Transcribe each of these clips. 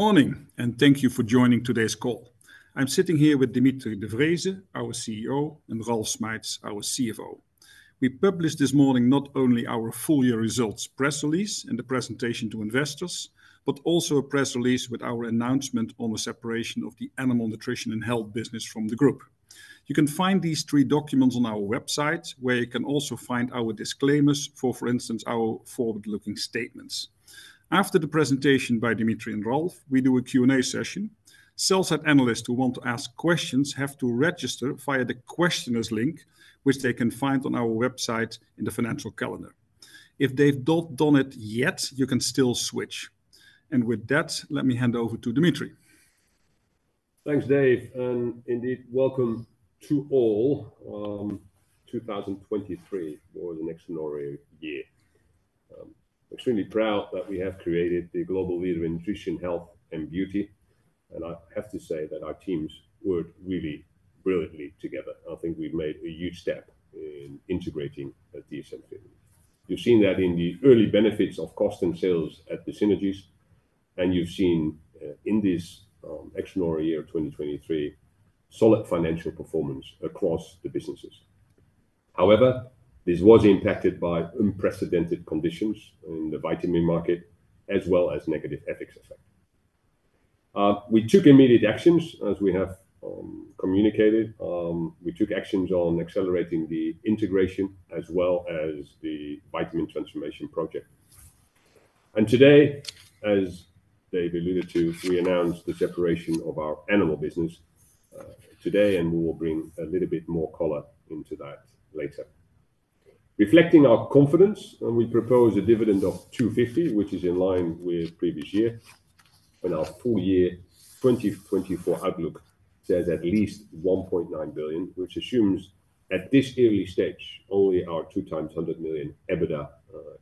Good morning, and thank you for joining today's call. I'm sitting here with Dimitri de Vreeze, our CEO, and Ralf Schmeitz, our CFO. We published this morning not only our full-year results press release and the presentation to investors, but also a press release with our announcement on the separation of the animal nutrition and health business from the group. You can find these three documents on our website, where you can also find our disclaimers for, for instance, our forward-looking statements. After the presentation by Dimitri and Ralf, we do a Q&A session. Sell-side analysts who want to ask questions have to register via the questionnaire link, which they can find on our website in the financial calendar. If they've not done it yet, you can still switch. With that, let me hand over to Dimitri. Thanks, Dave. And indeed, welcome to all, 2023 for the next scenario year. Extremely proud that we have created the global leader in nutrition, health, and beauty, and I have to say that our teams work really brilliantly together. I think we've made a huge step in integrating at DSM-Firmenich. You've seen that in the early benefits of cost and sales at the synergies, and you've seen, in this, extraordinary year of 2023, solid financial performance across the businesses. However, this was impacted by unprecedented conditions in the vitamin market as well as negative FX effects. We took immediate actions, as we have communicated. We took actions on accelerating the integration as well as the vitamin transformation project. And today, as Dave alluded to, we announced the separation of our animal business, today, and we will bring a little bit more color into that later. Reflecting our confidence, we propose a dividend of 2.50, which is in line with previous year, when our full-year 2024 outlook says at least 1.9 billion, which assumes, at this early stage, only our 2x 100 million EBITDA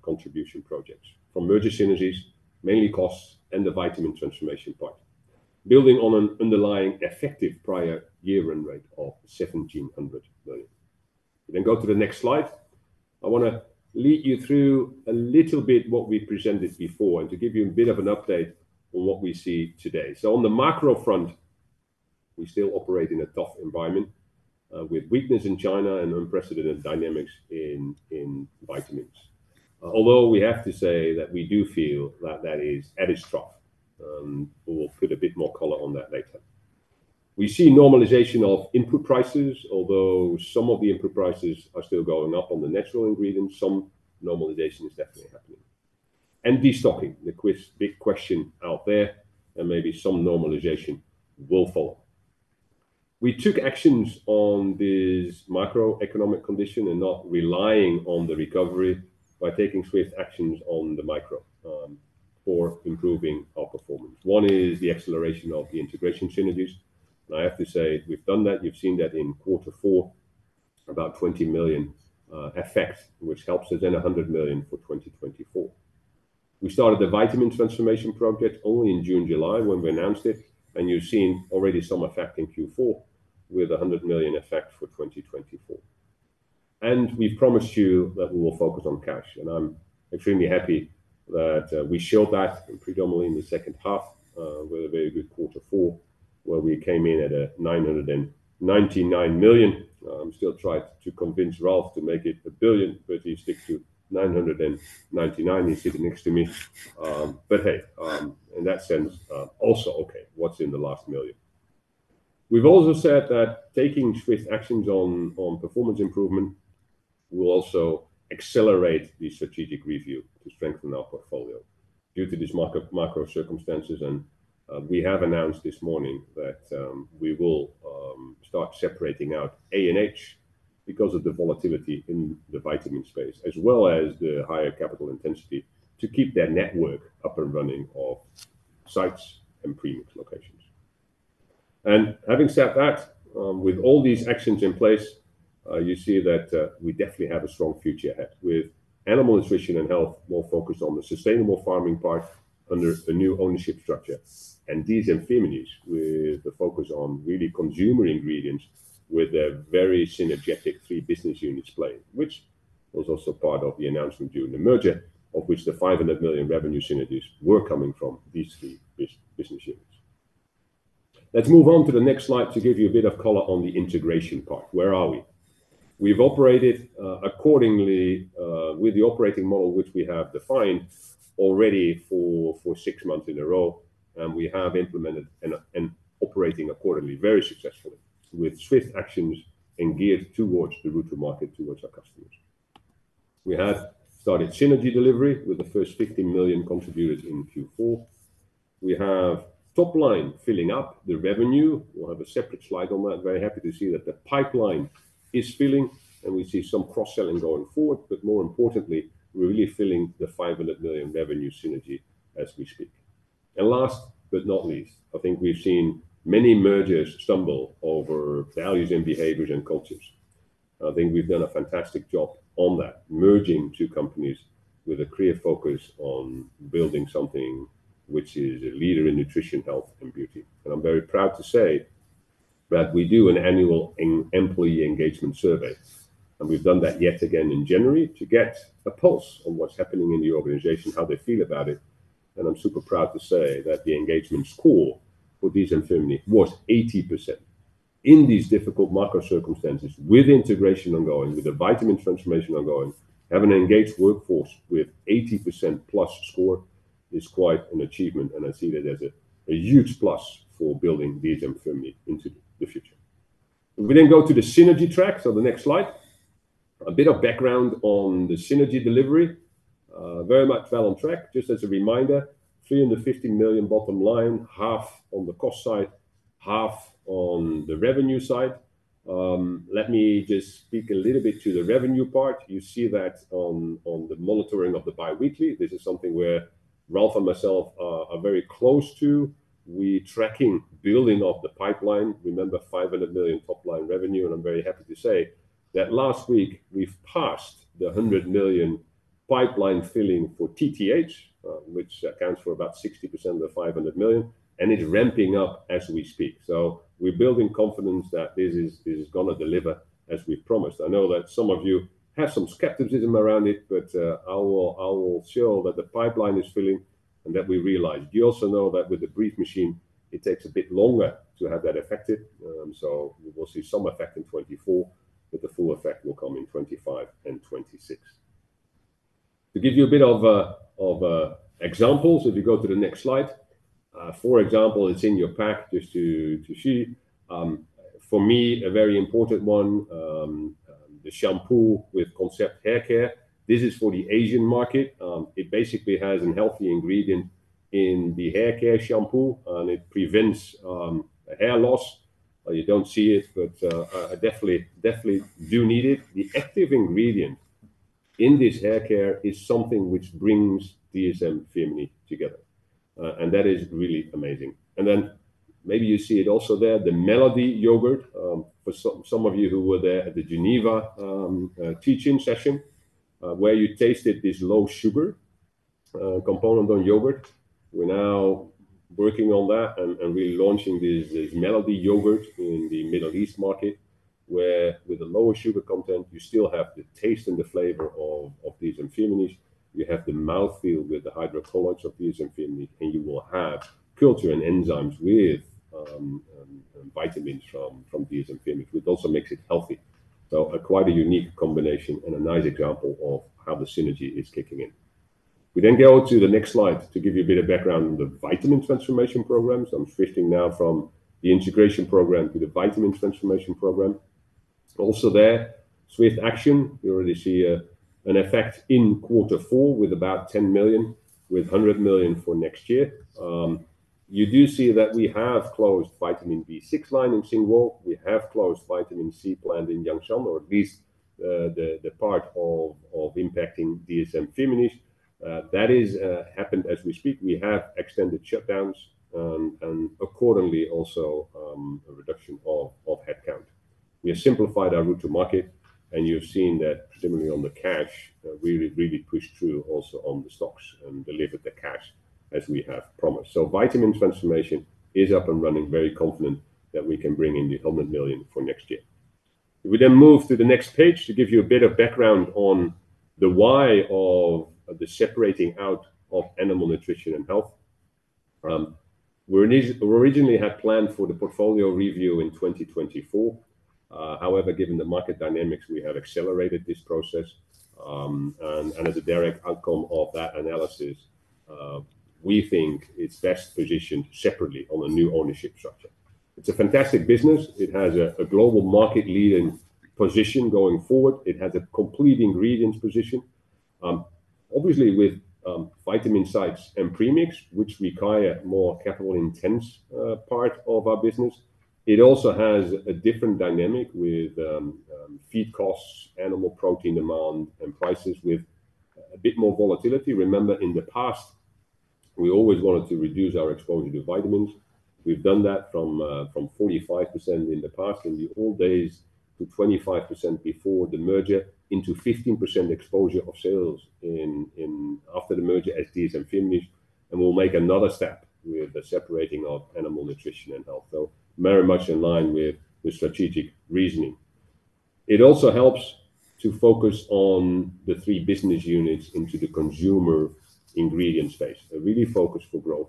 contribution projects from merger synergies, mainly costs, and the vitamin transformation part, building on an underlying effective prior year-end rate of 1,700 million. If we then go to the next slide, I want to lead you through a little bit what we presented before and to give you a bit of an update on what we see today. So on the macro front, we still operate in a tough environment, with weakness in China and unprecedented dynamics in, in vitamins, although we have to say that we do feel that that is at its trough. We'll put a bit more color on that later. We see normalization of input prices, although some of the input prices are still going up on the natural ingredients. Some normalization is definitely happening. Destocking, the quiz, big question out there, and maybe some normalization will follow. We took actions on this macroeconomic condition and not relying on the recovery by taking swift actions on the micro, for improving our performance. One is the acceleration of the integration synergies, and I have to say we've done that. You've seen that in quarter four, about 20 million effect, which helps us then 100 million for 2024. We started the vitamin transformation project only in June, July, when we announced it, and you've seen already some effect in Q4 with 100 million effect for 2024. We've promised you that we will focus on cash, and I'm extremely happy that we showed that predominantly in the second half, with a very good quarter four, where we came in at 999 million. I'm still trying to convince Ralf to make it a billion, but he sticks to 999. He's sitting next to me. But hey, in that sense, also, okay, what's in the last million? We've also said that taking swift actions on, on performance improvement will also accelerate the strategic review to strengthen our portfolio due to these macro, macro circumstances. And we have announced this morning that we will start separating out ANH because of the volatility in the vitamin space, as well as the higher capital intensity, to keep that network up and running of sites and premix locations. And having said that, with all these actions in place, you see that we definitely have a strong future ahead with animal nutrition and health more focused on the sustainable farming part under a new ownership structure and DSM-Firmenich with the focus on really consumer ingredients with their very synergistic three business units playing, which was also part of the announcement during the merger, of which the 500 million revenue synergies were coming from these three business units. Let's move on to the next slide to give you a bit of color on the integration part. Where are we? We've operated accordingly with the operating model which we have defined already for six months in a row, and we have implemented and operating accordingly very successfully with swift actions and geared towards the route to market, towards our customers. We have started synergy delivery with the first 50 million contributed in Q4. We have top line filling up the revenue. We'll have a separate slide on that. Very happy to see that the pipeline is filling, and we see some cross-selling going forward, but more importantly, we're really filling the 500 million revenue synergy as we speak. And last but not least, I think we've seen many mergers stumble over values and behaviors and cultures. I think we've done a fantastic job on that, merging two companies with a clear focus on building something which is a leader in nutrition, health, and beauty. And I'm very proud to say that we do an annual employee engagement survey, and we've done that yet again in January to get a pulse on what's happening in the organization, how they feel about it. And I'm super proud to say that the engagement score for DSM-Firmenich was 80% in these difficult macro circumstances with integration ongoing, with the vitamin transformation ongoing. Having an engaged workforce with 80% plus score is quite an achievement, and I see that as a, a huge plus for building DSM-Firmenich into the future. If we then go to the synergy track, so the next slide, a bit of background on the synergy delivery, very much well on track. Just as a reminder, 350 million bottom line, EUR 175 million on the cost side, EUR 175 million on the revenue side. Let me just speak a little bit to the revenue part. You see that on, on the monitoring of the biweekly. This is something where Ralf and myself are, are very close to. We're tracking building up the pipeline. Remember, 500 million top line revenue, and I'm very happy to say that last week we've passed the 100 million pipeline filling for TTH, which accounts for about 60% of the 500 million, and it's ramping up as we speak. So we're building confidence that this is, this is going to deliver as we promised. I know that some of you have some skepticism around it, but, I will, I will show that the pipeline is filling and that we realize. You also know that with the brief machine, it takes a bit longer to have that effect. So we will see some effect in 2024, but the full effect will come in 2025 and 2026. To give you a bit of, of, examples, if you go to the next slide, for example, it's in your pack just to, to see. For me, a very important one, the shampoo with concept hair care. This is for the Asian market. It basically has a healthy ingredient in the hair care shampoo, and it prevents hair loss. You don't see it, but I definitely, definitely do need it. The active ingredient in this hair care is something which brings DSM-Firmenich together, and that is really amazing. And then maybe you see it also there, the Melody Yogurt, for some, some of you who were there at the Geneva teach-in session, where you tasted this low sugar component on yogurt. We're now working on that and, and really launching this, this Melody Yogurt in the Middle East market, where with the lower sugar content, you still have the taste and the flavor of DSM-Firmenich. You have the mouthfeel with the hydrocolloids of DSM-Firmenich, and you will have culture and enzymes with vitamins from DSM-Firmenich, which also makes it healthy. So quite a unique combination and a nice example of how the synergy is kicking in. We then go to the next slide to give you a bit of background on the vitamin transformation programs. I'm switching now from the integration program to the vitamin transformation program. Also there, swift action. You already see an effect in quarter four with about 10 million, with 100 million for next year. You do see that we have closed vitamin B6 line in Xinghuo. We have closed vitamin C plant in Jiangshan, or at least the part of impacting DSM-Firmenich that is happened as we speak. We have extended shutdowns and accordingly also a reduction of headcount. We have simplified our route to market, and you've seen that predominantly on the cash, really, really pushed through also on the stocks and delivered the cash as we have promised. So vitamin transformation is up and running, very confident that we can bring in the 100 million for next year. If we then move to the next page to give you a bit of background on the why of the separating out of animal nutrition and health, we originally had planned for the portfolio review in 2024. However, given the market dynamics, we have accelerated this process, and as a direct outcome of that analysis, we think it's best positioned separately on a new ownership structure. It's a fantastic business. It has a, a global market leading position going forward. It has a complete ingredients position. Obviously, with vitamin sites and premix, which require a more capital-intensive part of our business, it also has a different dynamic with feed costs, animal protein demand, and prices with a bit more volatility. Remember, in the past, we always wanted to reduce our exposure to vitamins. We've done that from 45% in the past in the old days to 25% before the merger into 15% exposure of sales in after the merger at DSM-Firmenich. And we'll make another step with the separating of Animal Nutrition and Health. So very much in line with the strategic reasoning. It also helps to focus on the three business units into the consumer ingredient space, a really focus for growth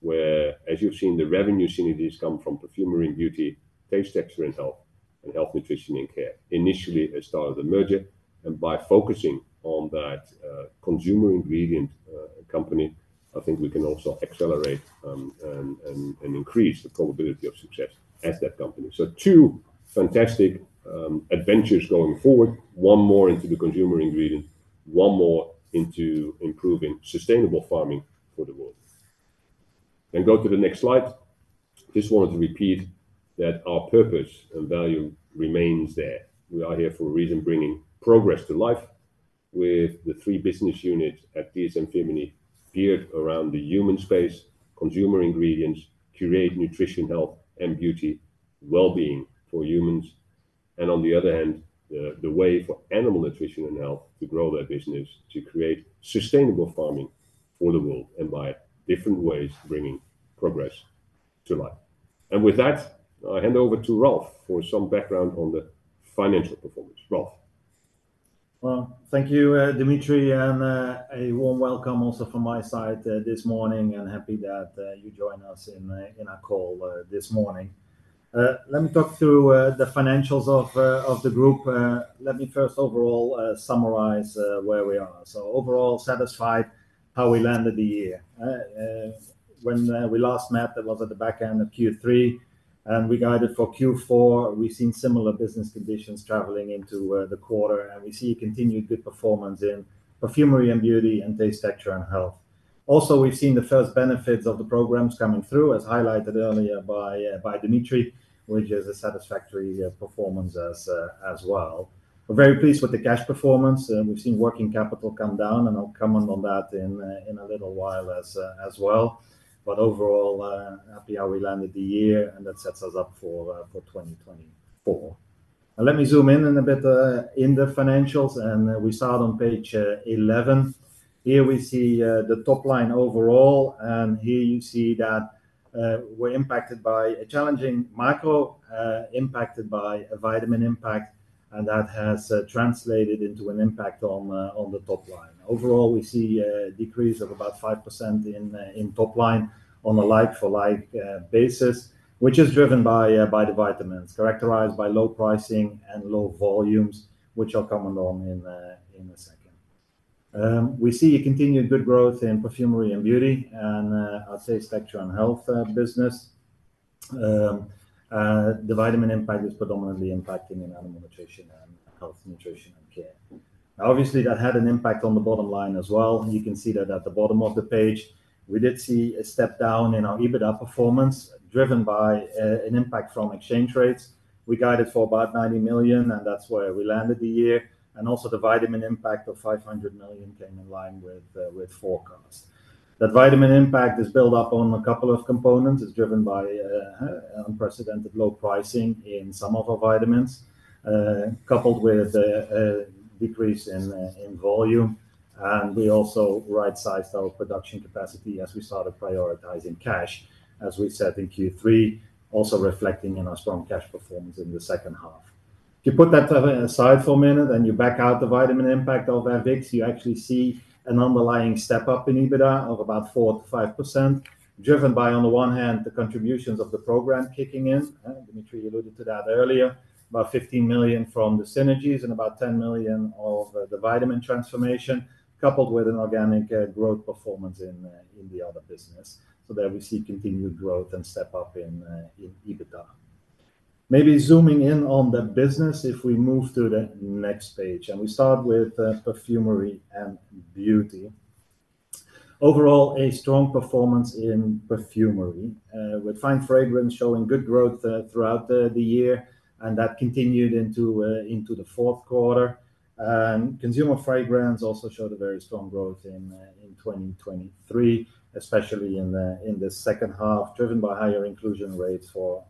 where, as you've seen, the revenue synergies come from perfumery and beauty, taste texture and health, and health nutrition and care initially as part of the merger. By focusing on that consumer ingredients company, I think we can also accelerate and increase the probability of success as that company. So two fantastic adventures going forward, one more into the consumer ingredients, one more into improving sustainable farming for the world. Then go to the next slide. Just wanted to repeat that our purpose and value remains there. We are here for a reason, bringing progress to life with the three business units at DSM-Firmenich geared around the human space, consumer ingredients, create nutrition, health, and beauty, wellbeing for humans. And on the other hand, the way for Animal Nutrition and Health to grow their business, to create sustainable farming for the world and by different ways bringing progress to life. And with that, I hand over to Ralf for some background on the financial performance. Ralf. Well, thank you, Dimitri, and a warm welcome also from my side this morning, and happy that you joined us in our call this morning. Let me talk through the financials of the group. Let me first overall summarize where we are. So overall satisfied how we landed the year. When we last met, it was at the back end of Q3, and we guided for Q4. We've seen similar business conditions traveling into the quarter, and we see continued good performance in Perfumery & Beauty and Taste, Texture & Health. Also, we've seen the first benefits of the programmes coming through, as highlighted earlier by Dimitri, which is a satisfactory performance as well. We're very pleased with the cash performance. We've seen working capital come down, and I'll comment on that in a little while as well. Overall, happy how we landed the year, and that sets us up for 2024. Let me zoom in a bit in the financials. We start on page 11. Here we see the top line overall, and here you see that we're impacted by a challenging macro, impacted by a vitamin impact, and that has translated into an impact on the top line. Overall, we see a decrease of about 5% in top line on a like-for-like basis, which is driven by the vitamins, characterized by low pricing and low volumes, which I'll comment on in a second. We see a continued good growth in perfumery and beauty and our taste texture and health business. The vitamin impact is predominantly impacting in animal nutrition and health nutrition and care. Now, obviously, that had an impact on the bottom line as well. You can see that at the bottom of the page, we did see a step down in our EBITDA performance driven by an impact from exchange rates. We guided for about 90 million, and that's where we landed the year. Also the vitamin impact of 500 million came in line with forecast. That vitamin impact is built up on a couple of components. It's driven by unprecedented low pricing in some of our vitamins, coupled with a decrease in volume. We also right-sized our production capacity as we started prioritizing cash, as we said in Q3, also reflecting in our strong cash performance in the second half. If you put that aside for a minute and you back out the vitamin impact of our vitamins, you actually see an underlying step up in EBITDA of about 4%-5%, driven by, on the one hand, the contributions of the program kicking in. Dimitri, you alluded to that earlier, about 15 million from the synergies and about 10 million of the vitamin transformation, coupled with an organic growth performance in the other business. So there we see continued growth and step up in EBITDA. Maybe zooming in on the business, if we move to the next page. And we start with perfumery and beauty. Overall, a strong performance in perfumery with fine fragrance showing good growth throughout the year, and that continued into the fourth quarter. Consumer fragrance also showed a very strong growth in 2023, especially in the second half, driven by higher inclusion rates for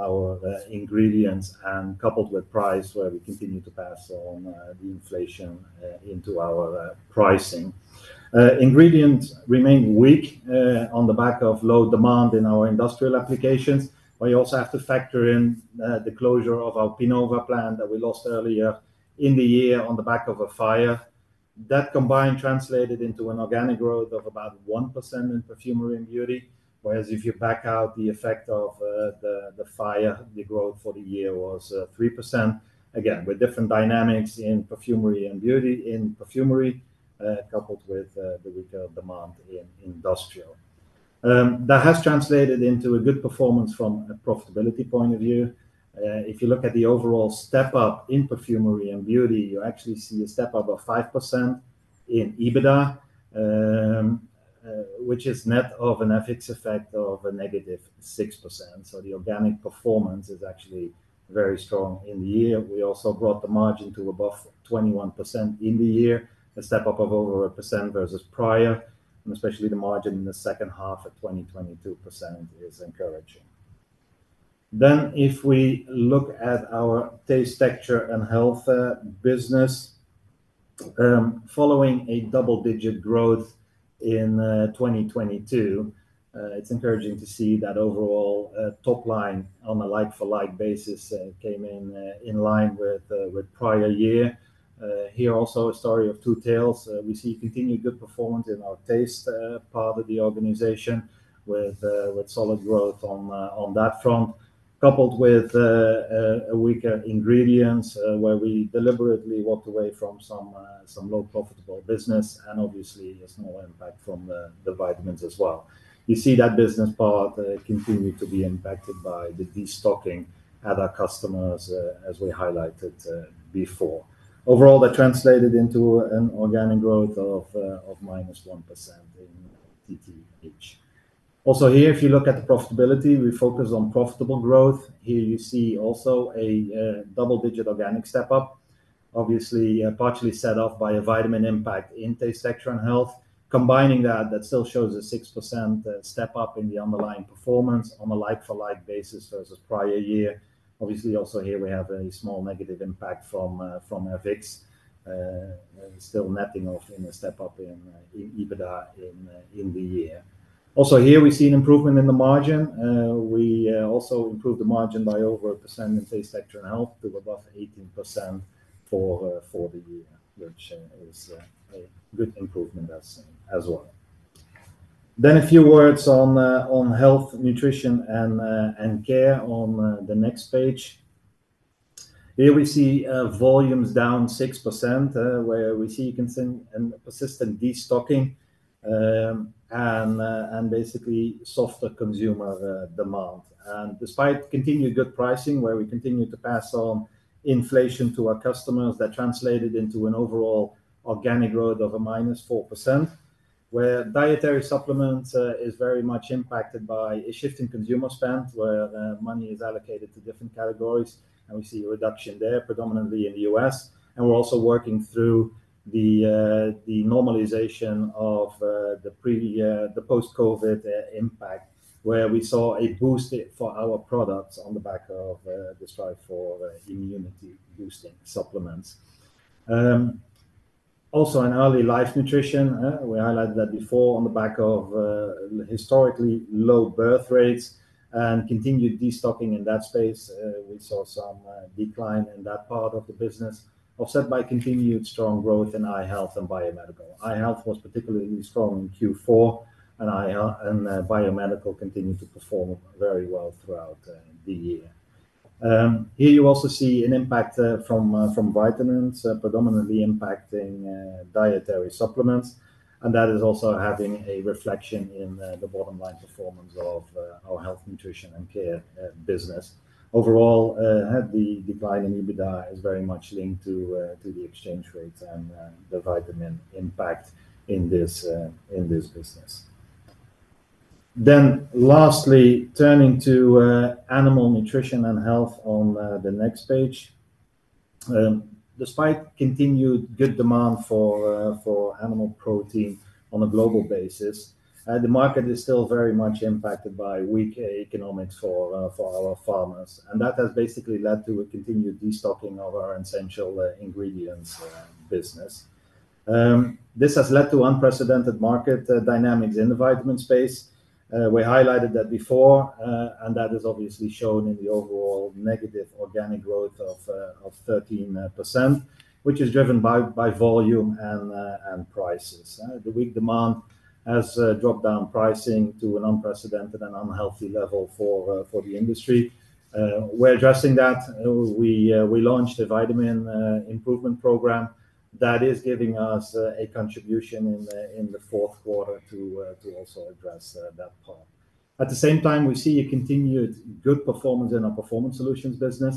our ingredients and coupled with price where we continue to pass on the inflation into our pricing. Ingredients remain weak on the back of low demand in our industrial applications, where you also have to factor in the closure of our Pinova plant that we lost earlier in the year on the back of a fire. That combined translated into an organic growth of about 1% in Perfumery and Beauty, whereas if you back out the effect of the fire, the growth for the year was 3%, again, with different dynamics in Perfumery and Beauty, in perfumery, coupled with the weaker demand in industrial. That has translated into a good performance from a profitability point of view. If you look at the overall step up in perfumery and beauty, you actually see a step up of 5% in EBITDA, which is net of an FX effect of a negative 6%. So the organic performance is actually very strong in the year. We also brought the margin to above 21% in the year, a step up of over 1% versus prior. And especially the margin in the second half at 22% is encouraging. Then if we look at our taste texture and health business, following a double-digit growth in 2022, it's encouraging to see that overall top line on a like-for-like basis came in line with prior year. Here also a story of two tales. We see continued good performance in our taste part of the organization with solid growth on that front, coupled with a weaker ingredients where we deliberately walked away from some low-profitable business and obviously a small impact from the vitamins as well. You see that business part continue to be impacted by the destocking at our customers, as we highlighted before. Overall, that translated into an organic growth of minus 1% in TTH. Also here, if you look at the profitability, we focused on profitable growth. Here you see also a double-digit organic step up, obviously partially set off by a vitamin impact in taste texture and health. Combining that, that still shows a 6% step up in the underlying performance on a like-for-like basis versus prior year. Obviously, also here we have a small negative impact from our VIX, still netting off in a step up in EBITDA in the year. Also here, we've seen improvement in the margin. We also improved the margin by over 1% in Taste, Texture & Health to above 18% for the year, which is a good improvement as well. Then a few words on Health, Nutrition & Care on the next page. Here we see volumes down 6%, where we see consistent destocking and basically softer consumer demand. And despite continued good pricing, where we continue to pass on inflation to our customers, that translated into an overall organic growth of -4%, where dietary supplements are very much impacted by a shift in consumer spend, where money is allocated to different categories, and we see a reduction there, predominantly in the U.S. We're also working through the normalization of the pre- and post-COVID impact, where we saw a boost for our products on the back of the drive for immunity-boosting supplements. Also in early-life nutrition, we highlighted that before on the back of historically low birth rates and continued destocking in that space. We saw some decline in that part of the business offset by continued strong growth in eye health and biomedical. Eye health was particularly strong in Q4, and biomedical continued to perform very well throughout the year. Here you also see an impact from vitamins, predominantly impacting dietary supplements. And that is also having a reflection in the bottom line performance of our Health, Nutrition & Care business. Overall, the decline in EBITDA is very much linked to the exchange rates and the vitamin impact in this business. Then lastly, turning to animal nutrition and health on the next page. Despite continued good demand for animal protein on a global basis, the market is still very much impacted by weak economics for our farmers. And that has basically led to a continued destocking of our essential ingredients business. This has led to unprecedented market dynamics in the vitamin space. We highlighted that before, and that is obviously shown in the overall negative organic growth of 13%, which is driven by volume and prices. The weak demand has dropped down pricing to an unprecedented and unhealthy level for the industry. We're addressing that. We launched a vitamin improvement program that is giving us a contribution in the fourth quarter to also address that part. At the same time, we see a continued good performance in our performance solutions business.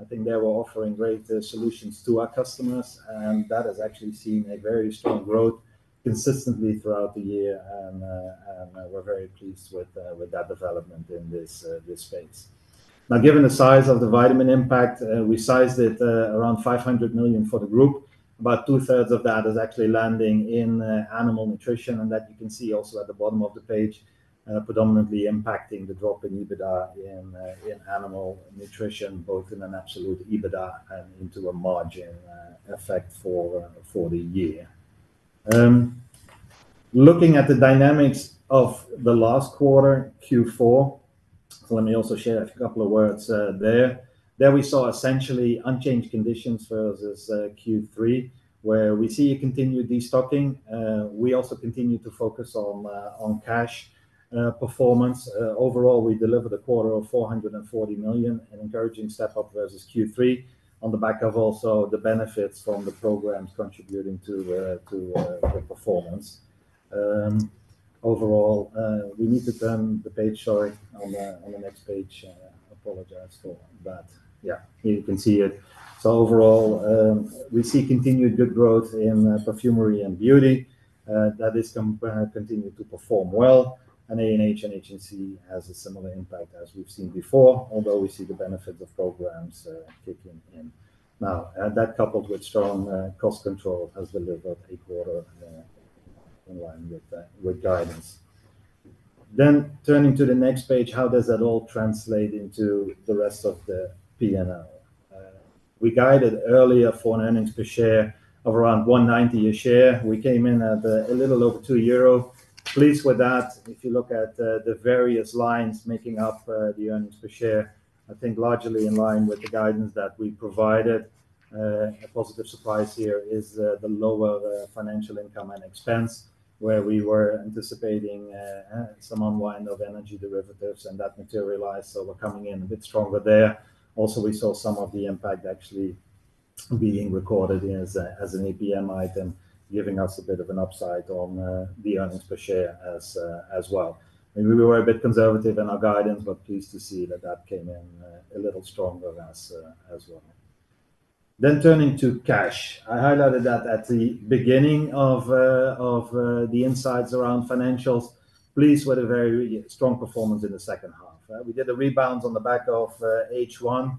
I think they were offering great solutions to our customers, and that has actually seen a very strong growth consistently throughout the year. We're very pleased with that development in this space. Now, given the size of the vitamin impact, we sized it around 500 million for the group. About two-thirds of that is actually landing in animal nutrition, and that you can see also at the bottom of the page, predominantly impacting the drop in EBITDA in animal nutrition, both in an absolute EBITDA and into a margin effect for the year. Looking at the dynamics of the last quarter, Q4, so let me also share a couple of words there. There we saw essentially unchanged conditions versus Q3, where we see a continued destocking. We also continue to focus on cash performance. Overall, we delivered a quarter of 440 million, an encouraging step up versus Q3, on the back of also the benefits from the programs contributing to the performance. Overall, we need to turn the page, sorry, on the next page, I apologize for that. Yeah, here you can see it. So overall, we see continued good growth in Perfumery and Beauty. That has continued to perform well. And ANH and HNC have a similar impact as we've seen before, although we see the benefits of programs kicking in now. And that, coupled with strong cost control, has delivered a quarter in line with guidance. Then turning to the next page, how does that all translate into the rest of the P&L? We guided earlier for an earnings per share of around 1.90 a share. We came in at a little over 2 euro. Pleased with that. If you look at the various lines making up the earnings per share, I think largely in line with the guidance that we provided. A positive surprise here is the lower financial income and expense, where we were anticipating some unwind of energy derivatives, and that materialized. So we're coming in a bit stronger there. Also, we saw some of the impact actually being recorded as an APM item, giving us a bit of an upside on the earnings per share as well. We were a bit conservative in our guidance, but pleased to see that that came in a little stronger as well. Then turning to cash. I highlighted that at the beginning of the insights around financials. Pleased with a very strong performance in the second half. We did a rebound on the back of H1.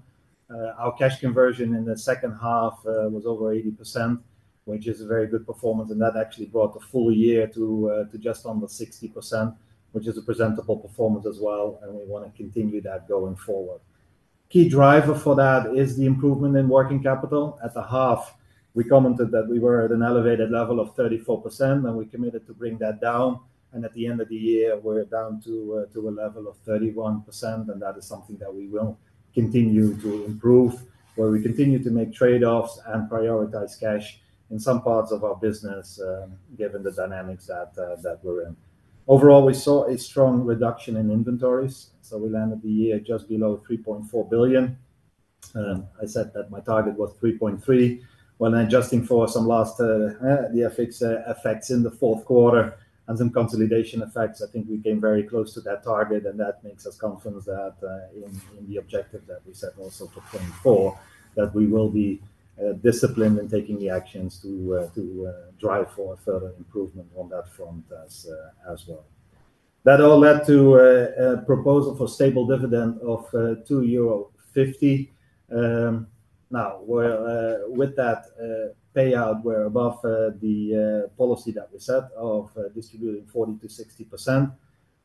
Our cash conversion in the second half was over 80%, which is a very good performance. That actually brought the full year to just under 60%, which is a presentable performance as well. We want to continue that going forward. Key driver for that is the improvement in working capital. At the half, we commented that we were at an elevated level of 34%, and we committed to bring that down. At the end of the year, we're down to a level of 31%. That is something that we will continue to improve, where we continue to make trade-offs and prioritize cash in some parts of our business, given the dynamics that we're in. Overall, we saw a strong reduction in inventories, so we landed the year just below 3.4 billion. I said that my target was 3.3 billion. When adjusting for some last the FX effects in the fourth quarter and some consolidation effects, I think we came very close to that target. And that makes us confident that in the objective that we set also for 2024, that we will be disciplined in taking the actions to drive for further improvement on that front as well. That all led to a proposal for stable dividend of 2.50 euro. Now, with that payout, we're above the policy that we set of distributing 40%-60%.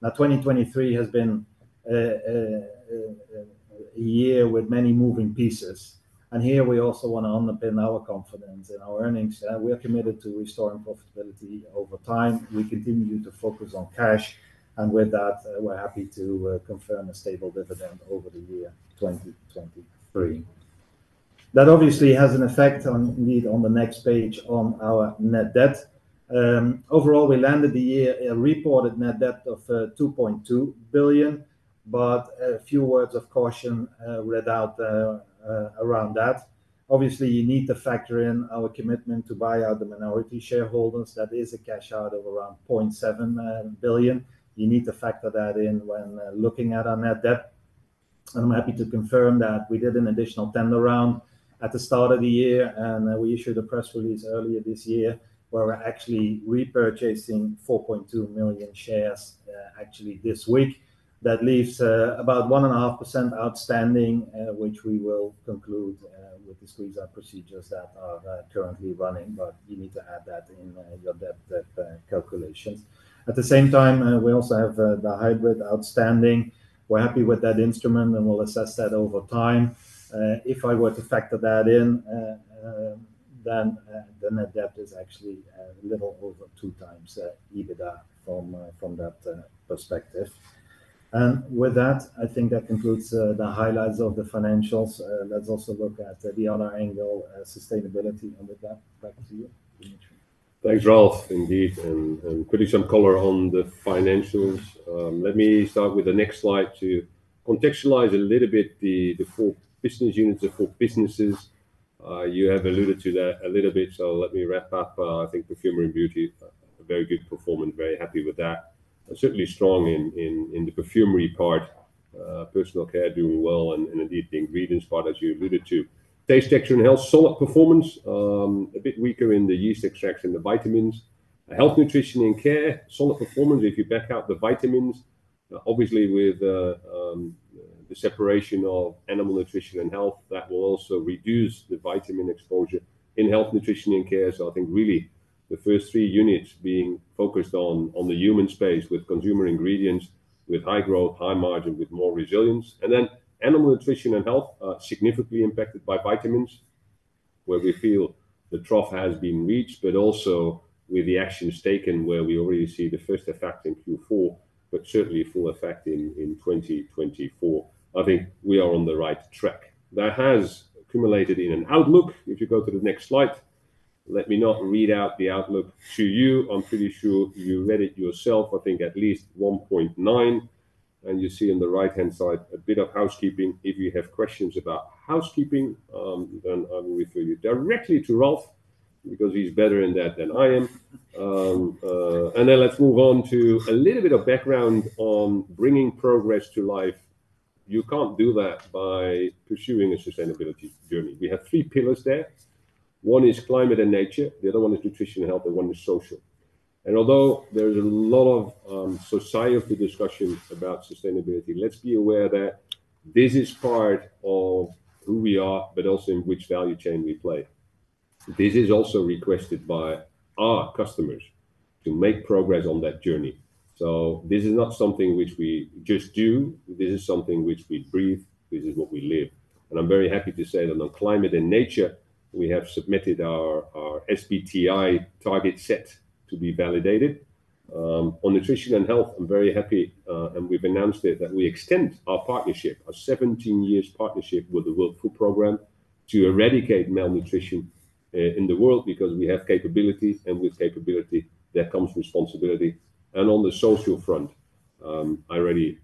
Now, 2023 has been a year with many moving pieces. And here we also want to underpin our confidence in our earnings. We are committed to restoring profitability over time. We continue to focus on cash. And with that, we're happy to confirm a stable dividend over the year 2023. That obviously has an effect, indeed, on the next page on our net debt. Overall, we landed the year a reported net debt of 2.2 billion. But a few words of caution read out around that. Obviously, you need to factor in our commitment to buy out the minority shareholders. That is a cash out of around 0.7 billion. You need to factor that in when looking at our net debt. And I'm happy to confirm that we did an additional tender round at the start of the year, and we issued a press release earlier this year where we're actually repurchasing 4.2 million shares actually this week. That leaves about 1.5% outstanding, which we will conclude with the squeeze-out procedures that are currently running. But you need to add that in your debt calculations. At the same time, we also have the hybrid outstanding. We're happy with that instrument, and we'll assess that over time. If I were to factor that in, then the net debt is actually a little over 2x EBITDA from that perspective. With that, I think that concludes the highlights of the financials. Let's also look at the other angle, sustainability. With that, back to you, Dimitri. Thanks, Ralf, indeed, and putting some color on the financials. Let me start with the next slide to contextualize a little bit the four business units, the four businesses. You have alluded to that a little bit, so let me wrap up. I think Perfumery and Beauty, a very good performance. Very happy with that. Certainly strong in the perfumery part, personal care doing well, and indeed the ingredients part, as you alluded to. Taste, Texture and Health, solid performance, a bit weaker in the yeast extracts and the vitamins. Health, Nutrition & Care, solid performance if you back out the vitamins. Obviously, with the separation of Animal Nutrition & Health, that will also reduce the vitamin exposure in Health, Nutrition & Care. So I think really the first three units being focused on the human space with consumer ingredients, with high growth, high margin, with more resilience. And then Animal Nutrition & Health, significantly impacted by vitamins, where we feel the trough has been reached, but also with the actions taken where we already see the first effect in Q4, but certainly full effect in 2024. I think we are on the right track. That has accumulated in an outlook. If you go to the next slide, let me not read out the outlook to you. I'm pretty sure you read it yourself. I think at least 1.9. And you see on the right-hand side a bit of housekeeping. If you have questions about housekeeping, then I will refer you directly to Ralf because he's better in that than I am. Then let's move on to a little bit of background on bringing progress to life. You can't do that by pursuing a sustainability journey. We have three pillars there. One is climate and nature. The other one is nutrition and health. One is social. Although there's a lot of society discussion about sustainability, let's be aware that this is part of who we are, but also in which value chain we play. This is also requested by our customers to make progress on that journey. This is not something which we just do. This is something which we breathe. This is what we live. I'm very happy to say that on climate and nature, we have submitted our SBTi target set to be validated. On nutrition and health, I'm very happy, and we've announced it, that we extend our partnership, our 17-year partnership with the World Food Programme, to eradicate malnutrition in the world because we have capability, and with capability, there comes responsibility. On the social front, I already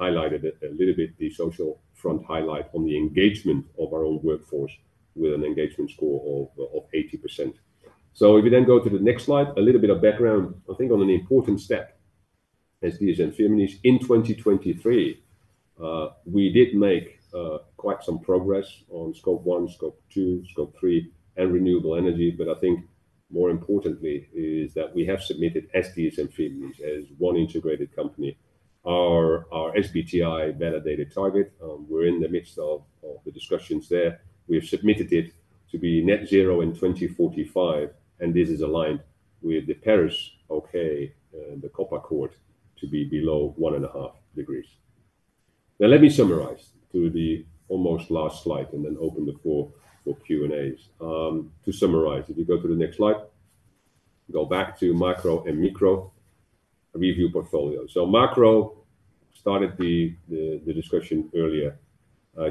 highlighted a little bit the social front highlight on the engagement of our own workforce with an engagement score of 80%. If we then go to the next slide, a little bit of background, I think on an important step as DSM-Firmenich, in 2023, we did make quite some progress on Scope 1, Scope 2, Scope 3, and renewable energy. But I think more importantly is that we have submitted as DSM Firmenich, as one integrated company, our SBTi validated target. We're in the midst of the discussions there. We have submitted it to be net zero in 2045, and this is aligned with the Paris Agreement, the COP21 Accord, to be below 1.5 degrees. Now, let me summarize to the almost last slide and then open the floor for Q&As. To summarize, if you go to the next slide, go back to macro and micro review portfolio. So macro, started the discussion earlier.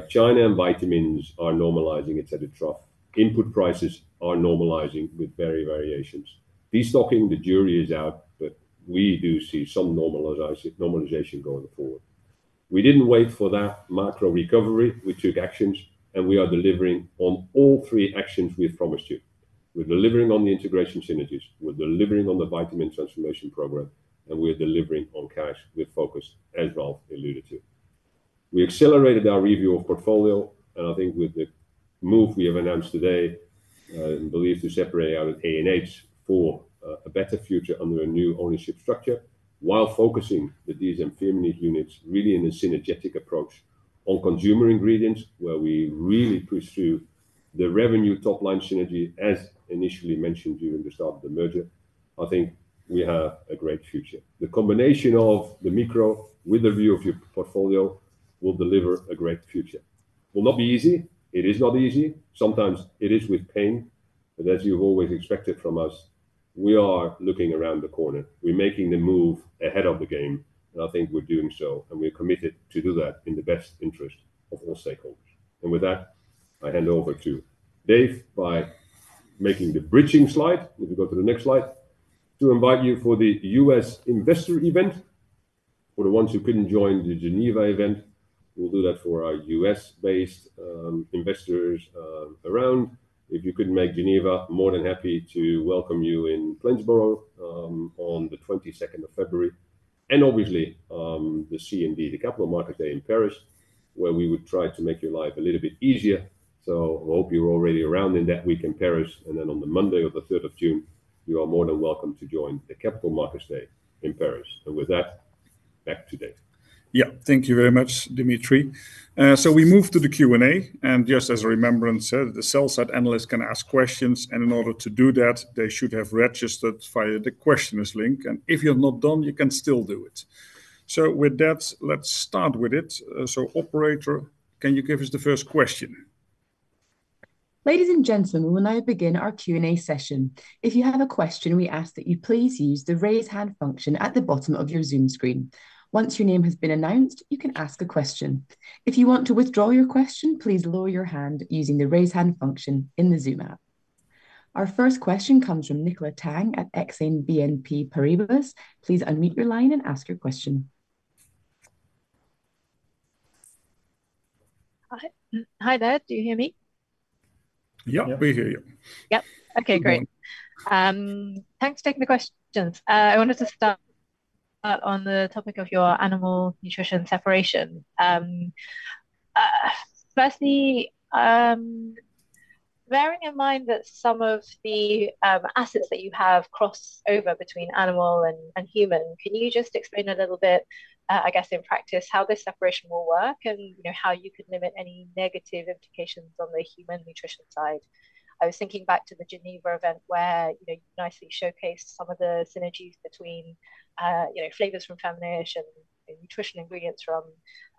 China and vitamins are normalizing. It's at a trough. Input prices are normalizing with variations. Destocking, the jury is out, but we do see some normalization going forward. We didn't wait for that macro recovery. We took actions, and we are delivering on all three actions we've promised you. We're delivering on the integration synergies. We're delivering on the vitamin transformation program. We're delivering on cash with focus, as Ralf alluded to. We accelerated our review of portfolio, and I think with the move we have announced today, I believe to separate out of ANH for a better future under a new ownership structure, while focusing the DSM-Firmenich units really in a synergetic approach on consumer ingredients, where we really pursue the revenue topline synergy, as initially mentioned during the start of the merger, I think we have a great future. The combination of the micro with the view of your portfolio will deliver a great future. Will not be easy. It is not easy. Sometimes it is with pain. But as you've always expected from us, we are looking around the corner. We're making the move ahead of the game, and I think we're doing so. We're committed to do that in the best interest of all stakeholders. With that, I hand over to Dave by making the bridging slide. If you go to the next slide, to invite you for the U.S. investor event. For the ones who couldn't join the Geneva event, we'll do that for our U.S.-based investors around. If you couldn't make Geneva, more than happy to welcome you in Plainsboro on the 22nd of February. And obviously, the CMD, the Capital Markets Day in Paris, where we would try to make your life a little bit easier. So I hope you're already around in that week in Paris. And then on the Monday of the 3rd of June, you are more than welcome to join the Capital Markets Day in Paris. And with that, back to Dave. Yeah, thank you very much, Dimitri. So we move to the Q&A. Just as a reminder, the selected analysts can ask questions. In order to do that, they should have registered via the questionnaire link. And if you're not done, you can still do it. With that, let's start with it. Operator, can you give us the first question? Ladies and gentlemen, when I begin our Q&A session, if you have a question, we ask that you please use the raise hand function at the bottom of your Zoom screen. Once your name has been announced, you can ask a question. If you want to withdraw your question, please lower your hand using the raise hand function in the Zoom app. Our first question comes from Nicola Tang at BNP Paribas. Please unmute your line and ask your question. Hi there. Do you hear me? Yeah, we hear you. Yep. OK, great. Thanks for taking the questions. I wanted to start on the topic of your animal nutrition separation. Firstly, bearing in mind that some of the assets that you have cross over between animal and human, can you just explain a little bit, I guess, in practice, how this separation will work and how you could limit any negative implications on the human nutrition side? I was thinking back to the Geneva event where you nicely showcased some of the synergies between flavors from Firmenich and nutritional ingredients from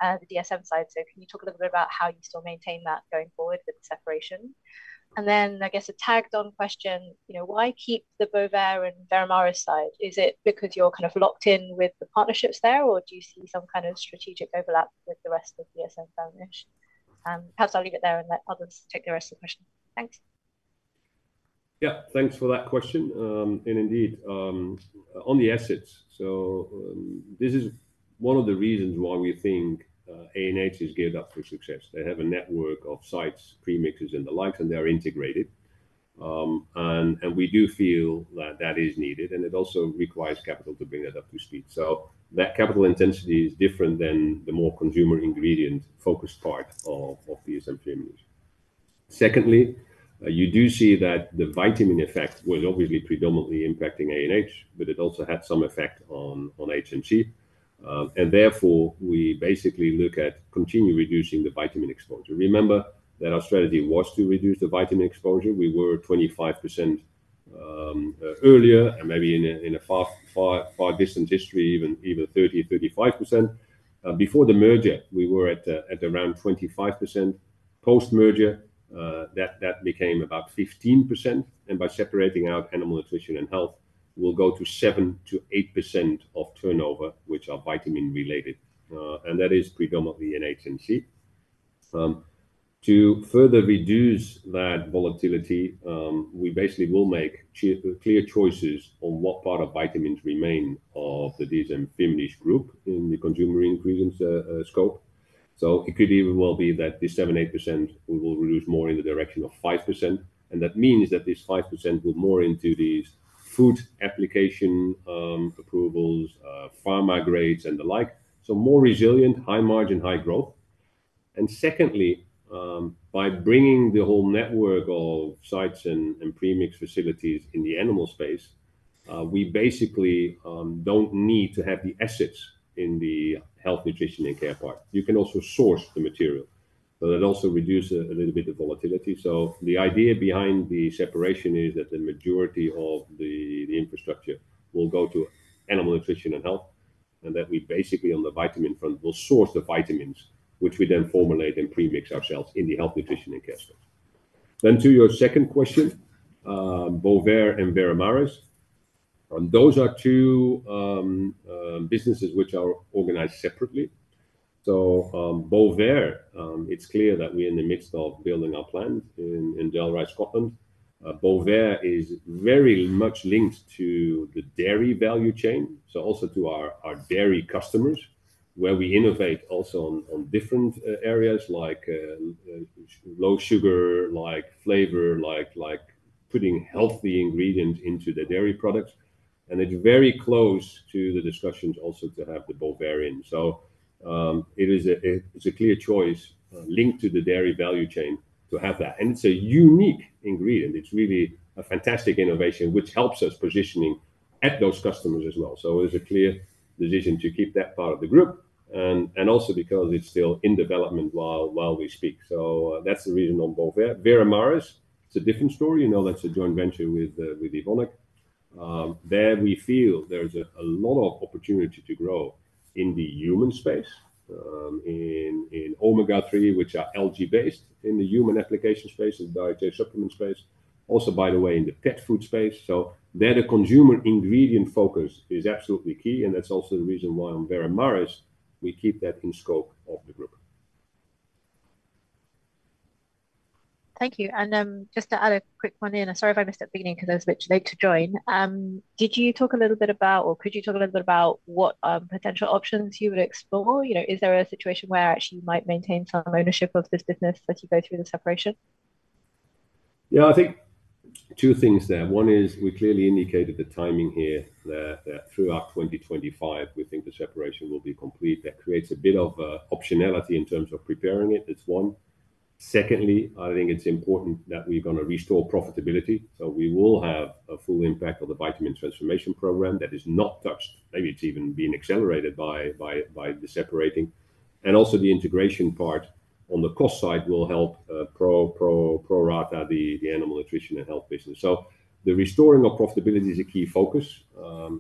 the DSM side. So can you talk a little bit about how you still maintain that going forward with the separation? And then, I guess, a tagged-on question, why keep the Bovaer and Veramaris side? Is it because you're kind of locked in with the partnerships there, or do you see some kind of strategic overlap with the rest of DSM-Firmenich? Perhaps I'll leave it there and let others take the rest of the questions. Thanks. Yeah, thanks for that question. Indeed, on the assets, so this is one of the reasons why we think ANH is geared up for success. They have a network of sites, premixes, and the likes, and they are integrated. And we do feel that that is needed. And it also requires capital to bring that up to speed. So that capital intensity is different than the more consumer ingredient-focused part of DSM-Firmenich. Secondly, you do see that the vitamin effect was obviously predominantly impacting ANH, but it also had some effect on H&C. And therefore, we basically look at continually reducing the vitamin exposure. Remember that our strategy was to reduce the vitamin exposure. We were 25% earlier, and maybe in a far, far, far distant history, even 30%, 35%. Before the merger, we were at around 25%. Post-merger, that became about 15%. By separating out animal nutrition and health, we'll go to 7%-8% of turnover, which are vitamin-related. That is predominantly in HNC. To further reduce that volatility, we basically will make clear choices on what part of vitamins remain of the DSM-Firmenich group in the consumer ingredients scope. So it could even well be that this 7%-8%, we will reduce more in the direction of 5%. That means that this 5% will more into these food application approvals, pharma grades, and the like. So more resilient, high margin, high growth. Secondly, by bringing the whole network of sites and premix facilities in the animal space, we basically don't need to have the assets in the health, nutrition, and care part. You can also source the material. So that also reduces a little bit of volatility. So the idea behind the separation is that the majority of the infrastructure will go to Animal Nutrition and Health, and that we basically, on the vitamin front, will source the vitamins, which we then formulate and premix ourselves in the Health, Nutrition and Care space. Then to your second question, Bovaer and Veramaris, those are two businesses which are organized separately. So Bovaer, it's clear that we're in the midst of building our plant in Dalry, Scotland. Bovaer is very much linked to the dairy value chain, so also to our dairy customers, where we innovate also on different areas, like low sugar, like flavor, like putting healthy ingredients into the dairy products. And it's very close to the discussions also to have the Bovaer in. So it is a clear choice linked to the dairy value chain to have that. And it's a unique ingredient. It's really a fantastic innovation, which helps us positioning at those customers as well. So it is a clear decision to keep that part of the group, and also because it's still in development while we speak. So that's the reason on Bovaer. Veramaris, it's a different story. You know that's a joint venture with Evonik. There, we feel there's a lot of opportunity to grow in the human space, in Omega-3, which are algae-based in the human application space, in the dietary supplement space, also, by the way, in the pet food space. So there, the consumer ingredient focus is absolutely key. And that's also the reason why on Veramaris, we keep that in scope of the group. Thank you. Just to add a quick one in, and sorry if I missed the beginning because I was a bit late to join. Did you talk a little bit about, or could you talk a little bit about, what potential options you would explore? Is there a situation where actually you might maintain some ownership of this business as you go through the separation? Yeah, I think two things there. One is we clearly indicated the timing here that throughout 2025, we think the separation will be complete. That creates a bit of optionality in terms of preparing it. That's one. Secondly, I think it's important that we're going to restore profitability. So we will have a full impact of the vitamin transformation program that is not touched. Maybe it's even been accelerated by the separating. Also the integration part on the cost side will help prorata the Animal Nutrition and Health business. The restoring of profitability is a key focus.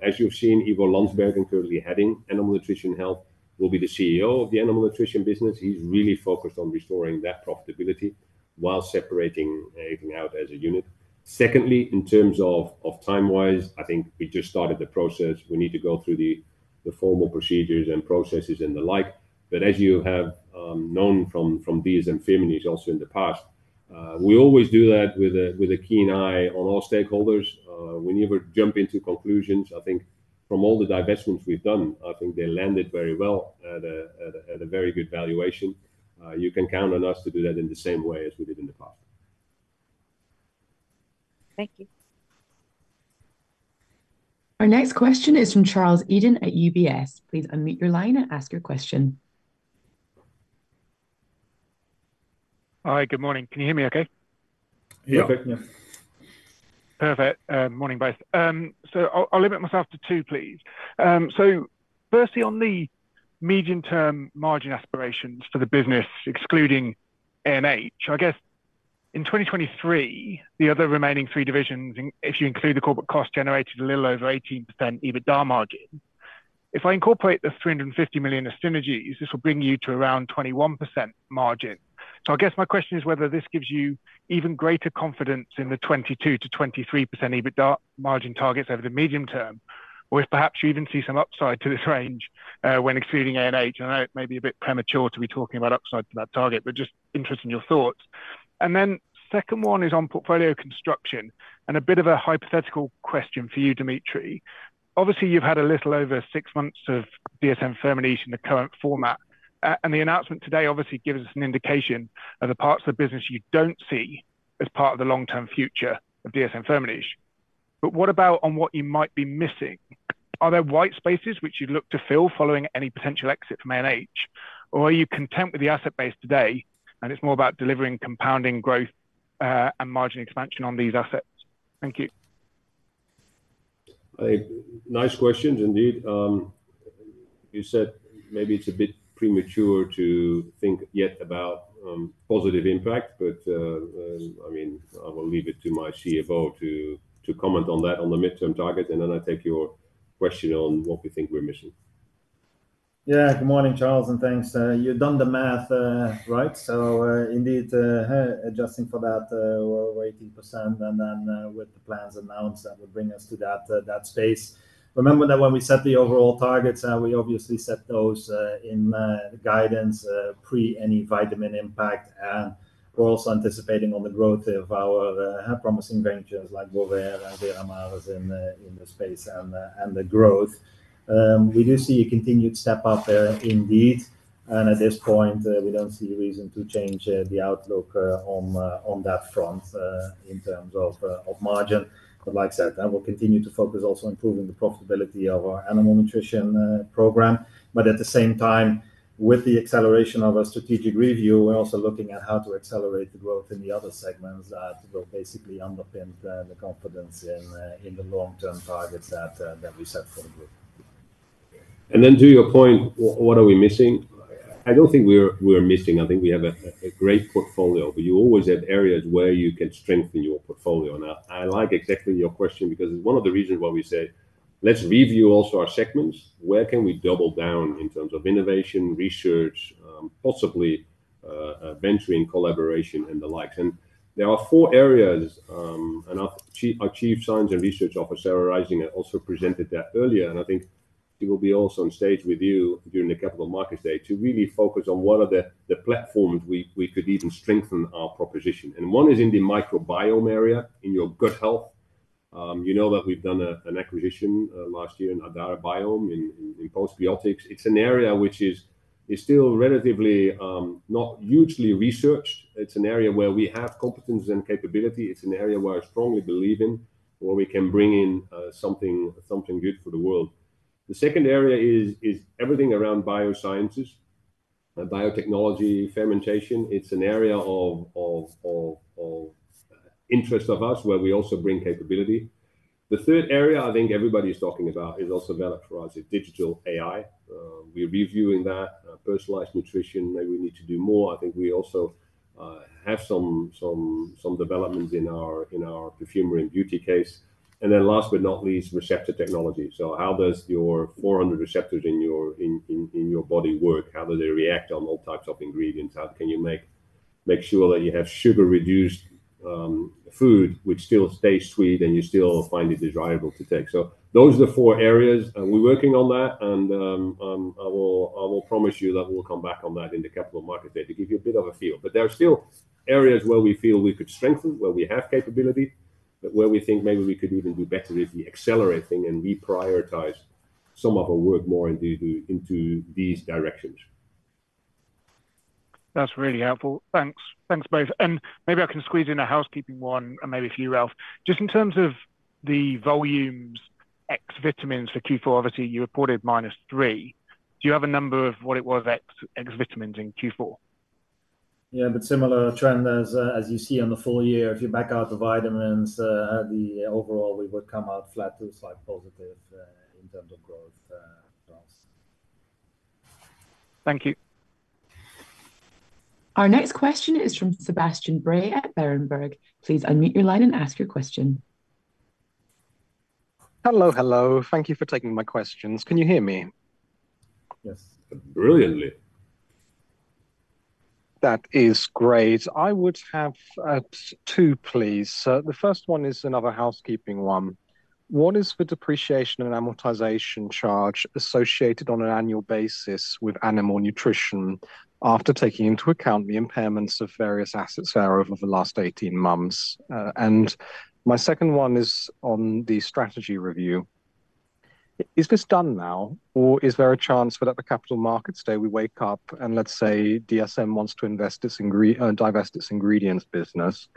As you've seen, Ivo Lansbergen, currently heading Animal Nutrition and Health, will be the CEO of the Animal Nutrition business. He's really focused on restoring that profitability while separating everything out as a unit. Secondly, in terms of time-wise, I think we just started the process. We need to go through the formal procedures and processes and the like. But as you have known from DSM-Firmenich also in the past, we always do that with a keen eye on all stakeholders. We never jump into conclusions. I think from all the divestments we've done, I think they landed very well at a very good valuation. You can count on us to do that in the same way as we did in the past. Thank you. Our next question is from Charles Eden at UBS. Please unmute your line and ask your question. Hi, good morning. Can you hear me OK? Yeah. Perfect. Yeah. Perfect. Morning, both. So I'll limit myself to two, please. So firstly, on the medium-term margin aspirations for the business, excluding ANH, I guess in 2023, the other remaining three divisions, if you include the corporate cost, generated a little over 18% EBITDA margin. If I incorporate the 350 million of synergies, this will bring you to around 21% margin. So I guess my question is whether this gives you even greater confidence in the 22%-23% EBITDA margin targets over the medium term, or if perhaps you even see some upside to this range when excluding ANH. I know it may be a bit premature to be talking about upside to that target, but just interest in your thoughts. And then the second one is on portfolio construction and a bit of a hypothetical question for you, Dimitri. Obviously, you've had a little over six months of DSM-Firmenich in the current format. And the announcement today obviously gives us an indication of the parts of the business you don't see as part of the long-term future of DSM-Firmenich. But what about on what you might be missing? Are there white spaces which you'd look to fill following any potential exit from ANH? Or are you content with the asset base today, and it's more about delivering compounding growth and margin expansion on these assets? Thank you. Nice questions, indeed. You said maybe it's a bit premature to think yet about positive impact. But I mean, I will leave it to my CFO to comment on that on the midterm target. And then I take your question on what we think we're missing. Yeah, good morning, Charles. And thanks. You've done the math right. So indeed, adjusting for that over 18% and then with the plans announced that would bring us to that space. Remember that when we set the overall targets, we obviously set those in guidance pre any vitamin impact. And we're also anticipating on the growth of our promising ventures like Bovaer and Veramaris in the space and the growth. We do see a continued step up there, indeed. And at this point, we don't see reason to change the outlook on that front in terms of margin. But like I said, we'll continue to focus also on improving the profitability of our animal nutrition program. But at the same time, with the acceleration of our strategic review, we're also looking at how to accelerate the growth in the other segments that will basically underpin the confidence in the long-term targets that we set for the group. And then to your point, what are we missing? I don't think we're missing. I think we have a great portfolio. But you always have areas where you can strengthen your portfolio. And I like exactly your question because it's one of the reasons why we say, let's review also our segments. Where can we double down in terms of innovation, research, possibly venturing collaboration, and the likes? And there are four areas. And our Chief Science and Research Officer, Sarah Reisinger, also presented that earlier. I think she will be also on stage with you during the Capital Markets Day to really focus on what are the platforms we could even strengthen our proposition. And one is in the microbiome area, in your gut health. You know that we've done an acquisition last year in Adare Biome in postbiotics. It's an area which is still relatively not hugely researched. It's an area where we have competence and capability. It's an area where I strongly believe in, where we can bring in something good for the world. The second area is everything around biosciences, biotechnology, fermentation. It's an area of interest of us where we also bring capability. The third area I think everybody is talking about is also valid for us, is digital AI. We're reviewing that, personalized nutrition. Maybe we need to do more. I think we also have some developments in our perfumery and beauty case. And then last but not least, receptor technology. So how does your 400 receptors in your body work? How do they react on all types of ingredients? How can you make sure that you have sugar-reduced food, which still stays sweet, and you still find it desirable to take? So those are the four areas. We're working on that. And I will promise you that we'll come back on that in the Capital Markets Day to give you a bit of a feel. But there are still areas where we feel we could strengthen, where we have capability, but where we think maybe we could even do better if we accelerate things and reprioritize some of our work more into these directions. That's really helpful. Thanks, both. And maybe I can squeeze in a housekeeping one and maybe for you, Ralf. Just in terms of the volumes ex vitamins for Q4, obviously, you reported -3%. Do you have a number of what it was ex vitamins in Q4? Yeah, but similar trend as you see on the full year. If you back out the vitamins, overall, we would come out flat to slight positive in terms of growth, Charles. Thank you. Our next question is from Sebastian Bray at Berenberg. Please unmute your line and ask your question. Hello, hello. Thank you for taking my questions. Can you hear me? Yes. Brilliantly. That is great. I would have two, please. The first one is another housekeeping one. What is the depreciation and amortization charge associated on an annual basis with animal nutrition after taking into account the impairments of various assets there over the last 18 months? And my second one is on the strategy review. Is this done now, or is there a chance that at the Capital Markets Day we wake up and let's say DSM wants to invest this in divest its ingredients business?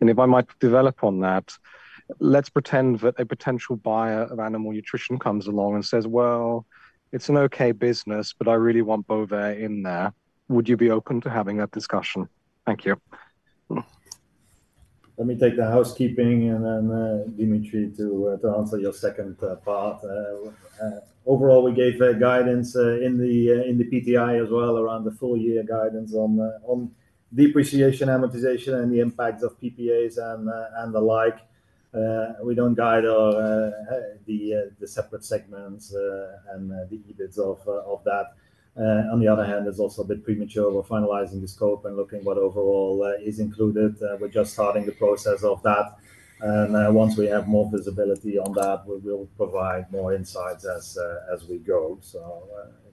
And if I might develop on that, let's pretend that a potential buyer of animal nutrition comes along and says, well, it's an OK business, but I really want Bovaer in there. Would you be open to having that discussion? Thank you. Let me take the housekeeping and then Dimitri to answer your second part. Overall, we gave guidance in the PTI as well around the full year guidance on depreciation, amortization, and the impacts of PPAs and the like. We don't guide the separate segments and the EBITs of that. On the other hand, it's also a bit premature for finalizing the scope and looking at what overall is included. We're just starting the process of that. And once we have more visibility on that, we will provide more insights as we go. So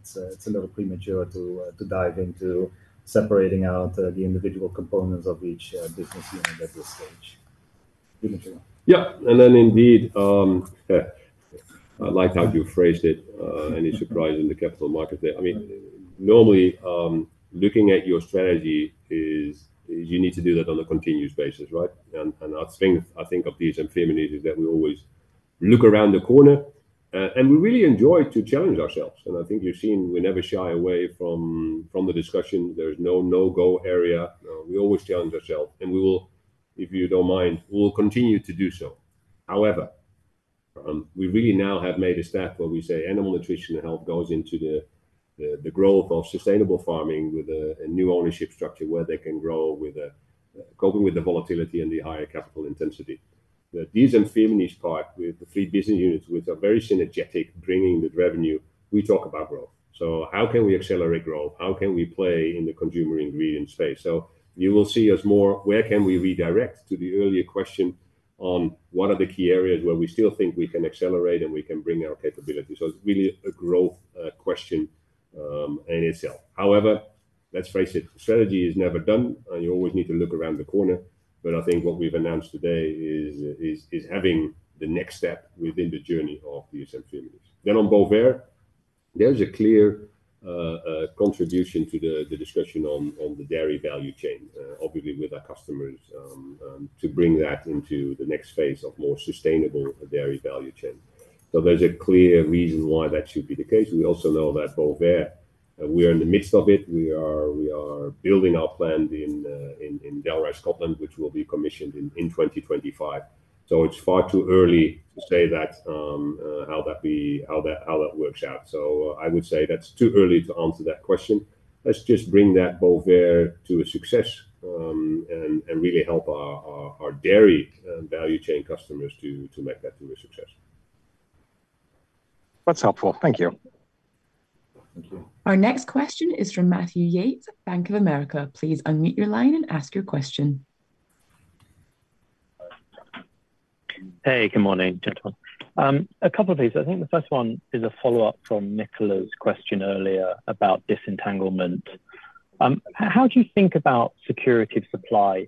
it's a little premature to dive into separating out the individual components of each business unit at this stage. Yeah. And then indeed, I liked how you phrased it. Any surprise in the Capital Markets Day? I mean, normally, looking at your strategy is you need to do that on a continuous basis, right? And our strength, I think, of DSM-Firmenich is that we always look around the corner. And we really enjoy to challenge ourselves. And I think you've seen we never shy away from the discussion. There's no no-go area. We always challenge ourselves. We will, if you don't mind, we'll continue to do so. However, we really now have made a step where we say animal nutrition and health goes into the growth of sustainable farming with a new ownership structure where they can grow with coping with the volatility and the higher capital intensity. The DSM-Firmenich part with the three business units which are very synergetic, bringing the revenue, we talk about growth. So how can we accelerate growth? How can we play in the consumer ingredient space? So you will see us more where can we redirect to the earlier question on what are the key areas where we still think we can accelerate and we can bring our capabilities? So it's really a growth question in itself. However, let's face it, strategy is never done. You always need to look around the corner. But I think what we've announced today is having the next step within the journey of DSM-Firmenich. Then on Bovaer, there is a clear contribution to the discussion on the dairy value chain, obviously with our customers, to bring that into the next phase of more sustainable dairy value chain. So there's a clear reason why that should be the case. We also know that Bovaer, we are in the midst of it. We are building our plant in Dalry, Scotland, which will be commissioned in 2025. So it's far too early to say how that works out. So I would say that's too early to answer that question. Let's just bring that Bovaer to a success and really help our dairy value chain customers to make that to a success. That's helpful. Thank you. Thank you. Our next question is from Matthew Yates, Bank of America. Please unmute your line and ask your question. Hey, good morning, gentlemen. A couple of things. I think the first one is a follow-up from Nicola's question earlier about disentanglement. How do you think about securing supply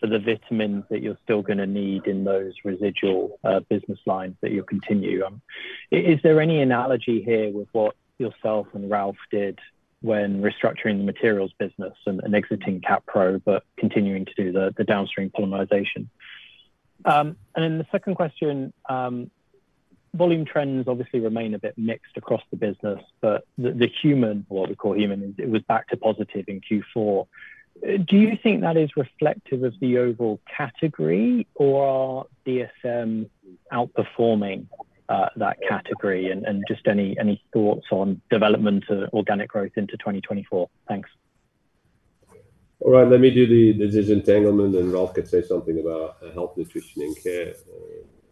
for the vitamins that you're still going to need in those residual business lines that you'll continue? Is there any analogy here with what yourself and Ralf did when restructuring the materials business and exiting Capro but continuing to do the downstream polymerization? And then the second question, volume trends obviously remain a bit mixed across the business. But the human, what we call human, it was back to positive in Q4. Do you think that is reflective of the overall category, or are DSM outperforming that category? And just any thoughts on development of organic growth into 2024? Thanks. All right. Let me do the disentanglement. Ralf could say something about health, nutrition, and care.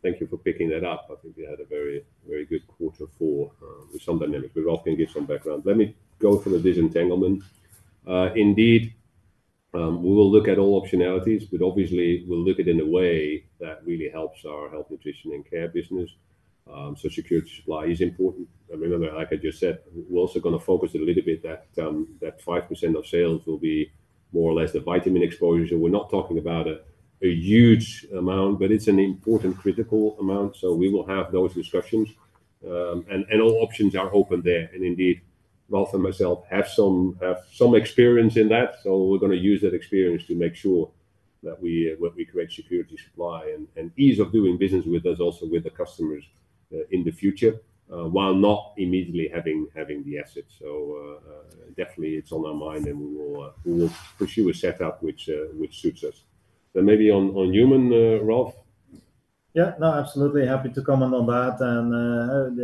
Thank you for picking that up. I think we had a very good quarter four with some dynamics. But Ralf can give some background. Let me go for the disentanglement. Indeed, we will look at all optionalities. But obviously, we'll look at it in a way that really helps our health, nutrition, and care business. So security supply is important. And remember, like I just said, we're also going to focus a little bit that 5% of sales will be more or less the vitamin exposure. We're not talking about a huge amount, but it's an important critical amount. So we will have those discussions. And all options are open there. And indeed, Ralf and myself have some experience in that. So we're going to use that experience to make sure that we create security supply and ease of doing business with us, also with the customers in the future, while not immediately having the assets. So definitely, it's on our mind. And we will pursue a setup which suits us. Then maybe on HNC, Ralf? Yeah, no, absolutely. Happy to comment on that. And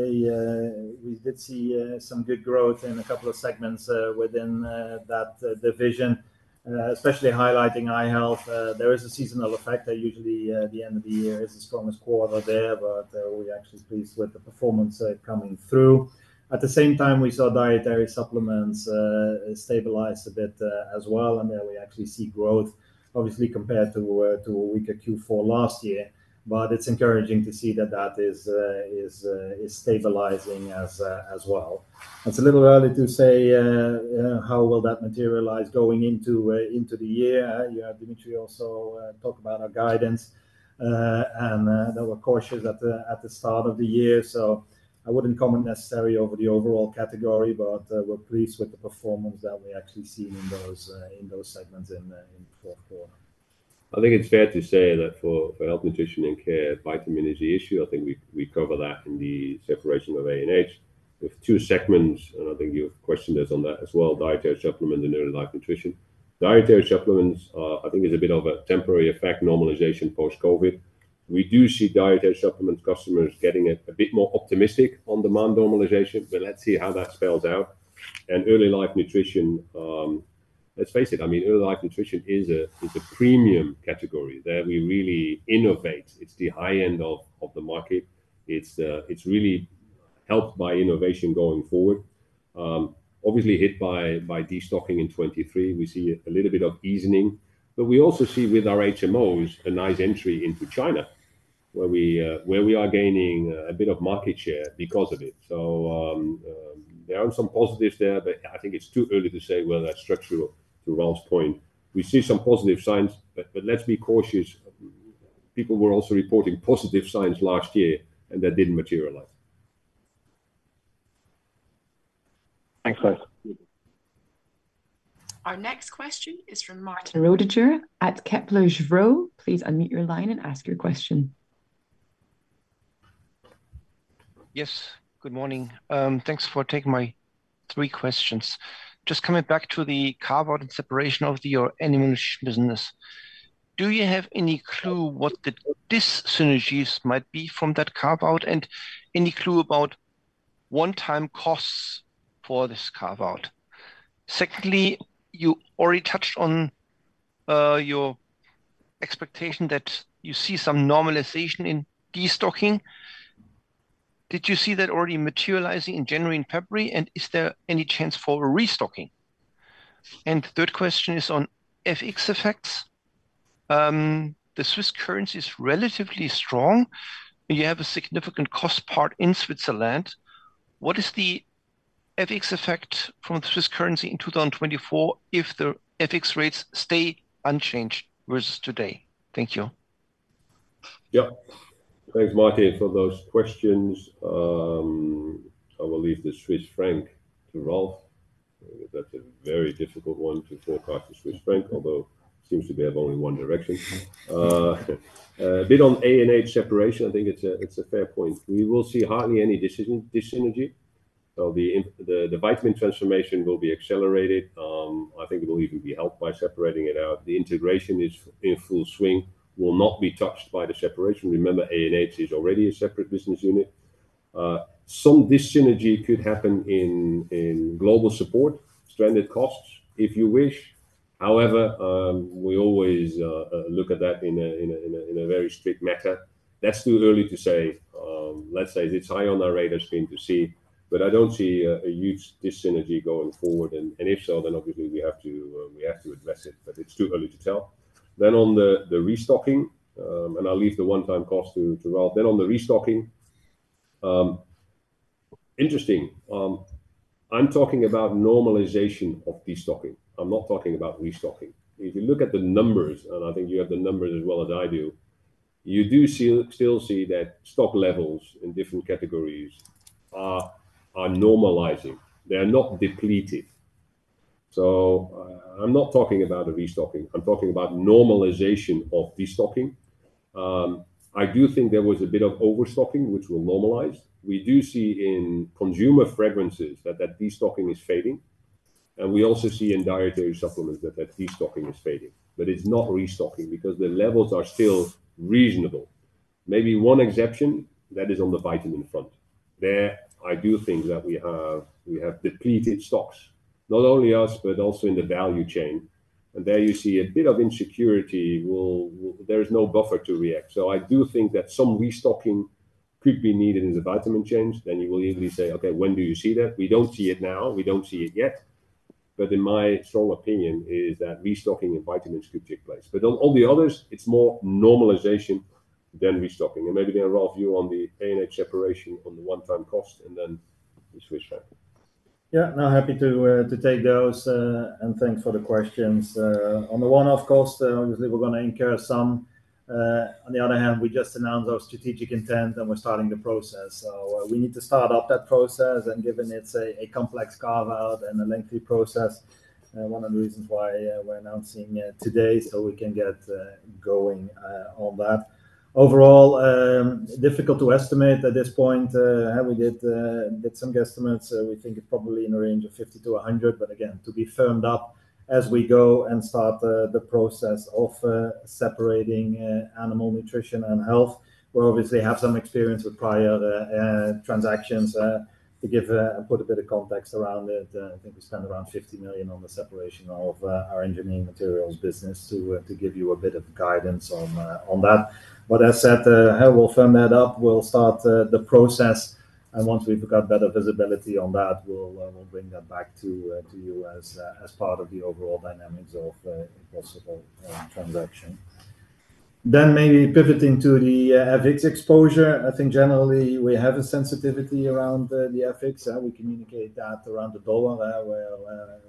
we did see some good growth in a couple of segments within that division, especially highlighting eye health. There is a seasonal effect. Usually, the end of the year is the strongest quarter there. But we're actually pleased with the performance coming through. At the same time, we saw dietary supplements stabilise a bit as well. And there we actually see growth, obviously, compared to a weaker Q4 last year. But it's encouraging to see that that is stabilising as well. It's a little early to say how that will materialize going into the year. You had Dimitri also talk about our guidance. That we're cautious at the start of the year. So I wouldn't comment necessarily over the overall category. But we're pleased with the performance that we actually see in those segments in the fourth quarter. I think it's fair to say that for Health, Nutrition & Care, vitamin is the issue. I think we cover that in the separation of A and H. We have two segments. I think you've questioned us on that as well, dietary supplements and early life nutrition. Dietary supplements, I think, is a bit of a temporary effect, normalization post-COVID. We do see dietary supplements customers getting a bit more optimistic on demand normalization. But let's see how that spells out. Early life nutrition, let's face it. I mean, early life nutrition is a premium category that we really innovate. It's the high end of the market. It's really helped by innovation going forward, obviously hit by destocking in 2023. We see a little bit of easing. But we also see with our HMOs a nice entry into China, where we are gaining a bit of market share because of it. So there are some positives there. But I think it's too early to say whether that's structural, to Ralf's point. We see some positive signs. But let's be cautious. People were also reporting positive signs last year. And that didn't materialize. Thanks, both. Our next question is from Martin Roediger at Kepler Cheuvreux. Please unmute your line and ask your question. Yes. Good morning. Thanks for taking my three questions. Just coming back to the carve-out and separation of your animal nutrition business, do you have any clue what the dis-synergies might be from that carve-out and any clue about one-time costs for this carve-out? Secondly, you already touched on your expectation that you see some normalization in destocking. Did you see that already materializing in January and February? And is there any chance for restocking? And the third question is on FX effects. The Swiss currency is relatively strong. You have a significant cost part in Switzerland. What is the FX effect from the Swiss currency in 2024 if the FX rates stay unchanged versus today? Thank you. Yeah. Thanks, Martin, for those questions. I will leave the Swiss franc to Ralf. That's a very difficult one to forecast, the Swiss franc, although it seems to be having only one direction. A bit on A and H separation, I think it's a fair point. We will see hardly any dis-synergy. So the vitamin transformation will be accelerated. I think it will even be helped by separating it out. The integration is in full swing. Will not be touched by the separation. Remember, A and H is already a separate business unit. Some dis-synergy could happen in global support, stranded costs, if you wish. However, we always look at that in a very strict manner. That's too early to say. Let's say it's high on our radar screen to see. But I don't see a huge dis-synergy going forward. And if so, then obviously, we have to address it. But it's too early to tell. Then on the restocking and I'll leave the one-time cost to Ralf. Then on the restocking, interesting. I'm talking about normalization of destocking. I'm not talking about restocking. If you look at the numbers and I think you have the numbers as well as I do, you do still see that stock levels in different categories are normalizing. They are not depleted. So I'm not talking about a restocking. I'm talking about normalization of destocking. I do think there was a bit of overstocking, which will normalize. We do see in consumer fragrances that that destocking is fading. And we also see in dietary supplements that that destocking is fading. But it's not restocking because the levels are still reasonable. Maybe one exception that is on the vitamin front. There, I do think that we have depleted stocks, not only us but also in the value chain. And there you see a bit of insecurity. There is no buffer to react. So I do think that some restocking could be needed in the vitamin change. Then you will easily say, "OK, when do you see that?" We don't see it now. We don't see it yet. But in my strong opinion, restocking in vitamins could take place. But on the others, it's more normalization than restocking. And maybe there, Ralf, you on the A and H separation on the one-time cost and then the Swiss franc. Yeah, no, happy to take those. And thanks for the questions. On the one-off cost, obviously, we're going to incur some. On the other hand, we just announced our strategic intent. And we're starting the process. So we need to start up that process. And given it's a complex carve-out and a lengthy process, one of the reasons why we're announcing today so we can get going on that. Overall, difficult to estimate at this point. We did some guesstimates. We think it's probably in the range of 50 million-100 million. But again, to be firmed up as we go and start the process of separating Animal Nutrition and Health, we obviously have some experience with prior transactions. To put a bit of context around it, I think we spent around 50 million on the separation of our engineering materials business to give you a bit of guidance on that. But as said, we'll firm that up. We'll start the process. And once we've got better visibility on that, we'll bring that back to you as part of the overall dynamics of a possible transaction. Then maybe pivoting to the FX exposure. I think generally, we have a sensitivity around the FX. We communicate that around the dollar, where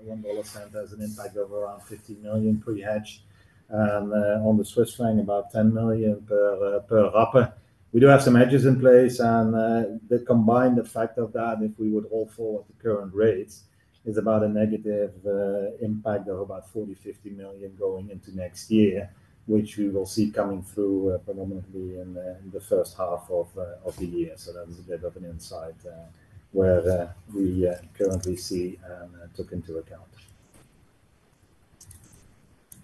$1 has an impact of around 50 million pre-hedged. And on the Swiss franc, about 10 million per quarter. We do have some hedges in place. And the combined effect of that, if we would roll forward the current rates, is about a negative impact of about 40 million-50 million going into next year, which we will see coming through predominantly in the first half of the year. So that is a bit of an insight where we currently see and took into account.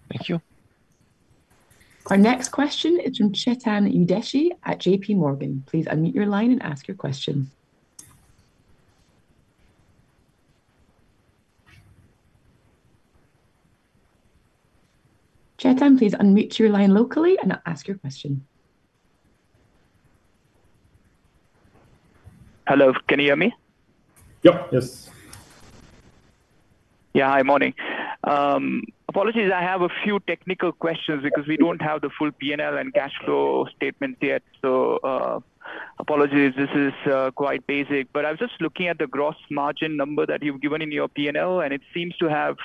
Thank you. Our next question is from Chetan Udeshi at JPMorgan. Please unmute your line and ask your question. Chetan, please unmute your line locally and ask your question. Hello. Can you hear me? Yep. Yes. Yeah, hi, morning. Apologies, I have a few technical questions because we don't have the full P&L and cash flow statements yet. So apologies, this is quite basic. But I was just looking at the gross margin number that you've given in your P&L. And it seems to have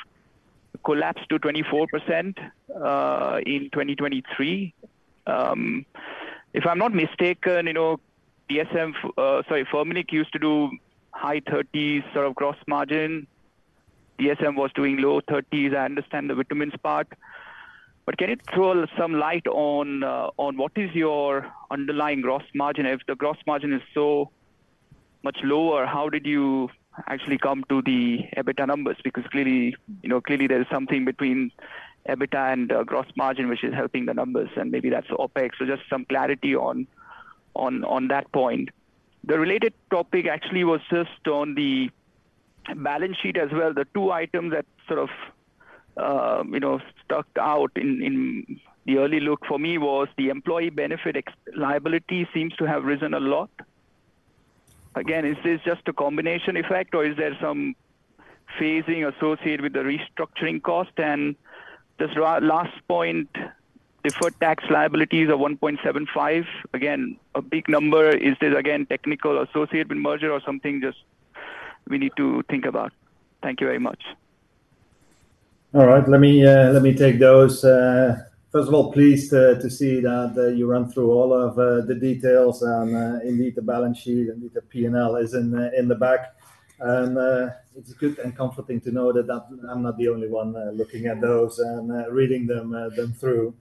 collapsed to 24% in 2023. If I'm not mistaken, DSM sorry, Firmenich used to do high 30s sort of gross margin. DSM was doing low 30s. I understand the vitamins part. But can you throw some light on what is your underlying gross margin? If the gross margin is so much lower, how did you actually come to the EBITDA numbers? Because clearly, there is something between EBITDA and gross margin, which is helping the numbers. And maybe that's OpEx. So just some clarity on that point. The related topic actually was just on the balance sheet as well. The two items that sort of stuck out in the early look for me was the employee benefit liability seems to have risen a lot. Again, is this just a combination effect? Or is there some phasing associated with the restructuring cost? Just the last point, deferred tax liabilities are 1.75. Again, a big number. Is this, again, technical associated with merger or something just we need to think about? Thank you very much. All right. Let me take those. First of all, pleased to see that you run through all of the details. Indeed, the balance sheet and the P&L is in the back. It's good and comforting to know that I'm not the only one looking at those and reading them through.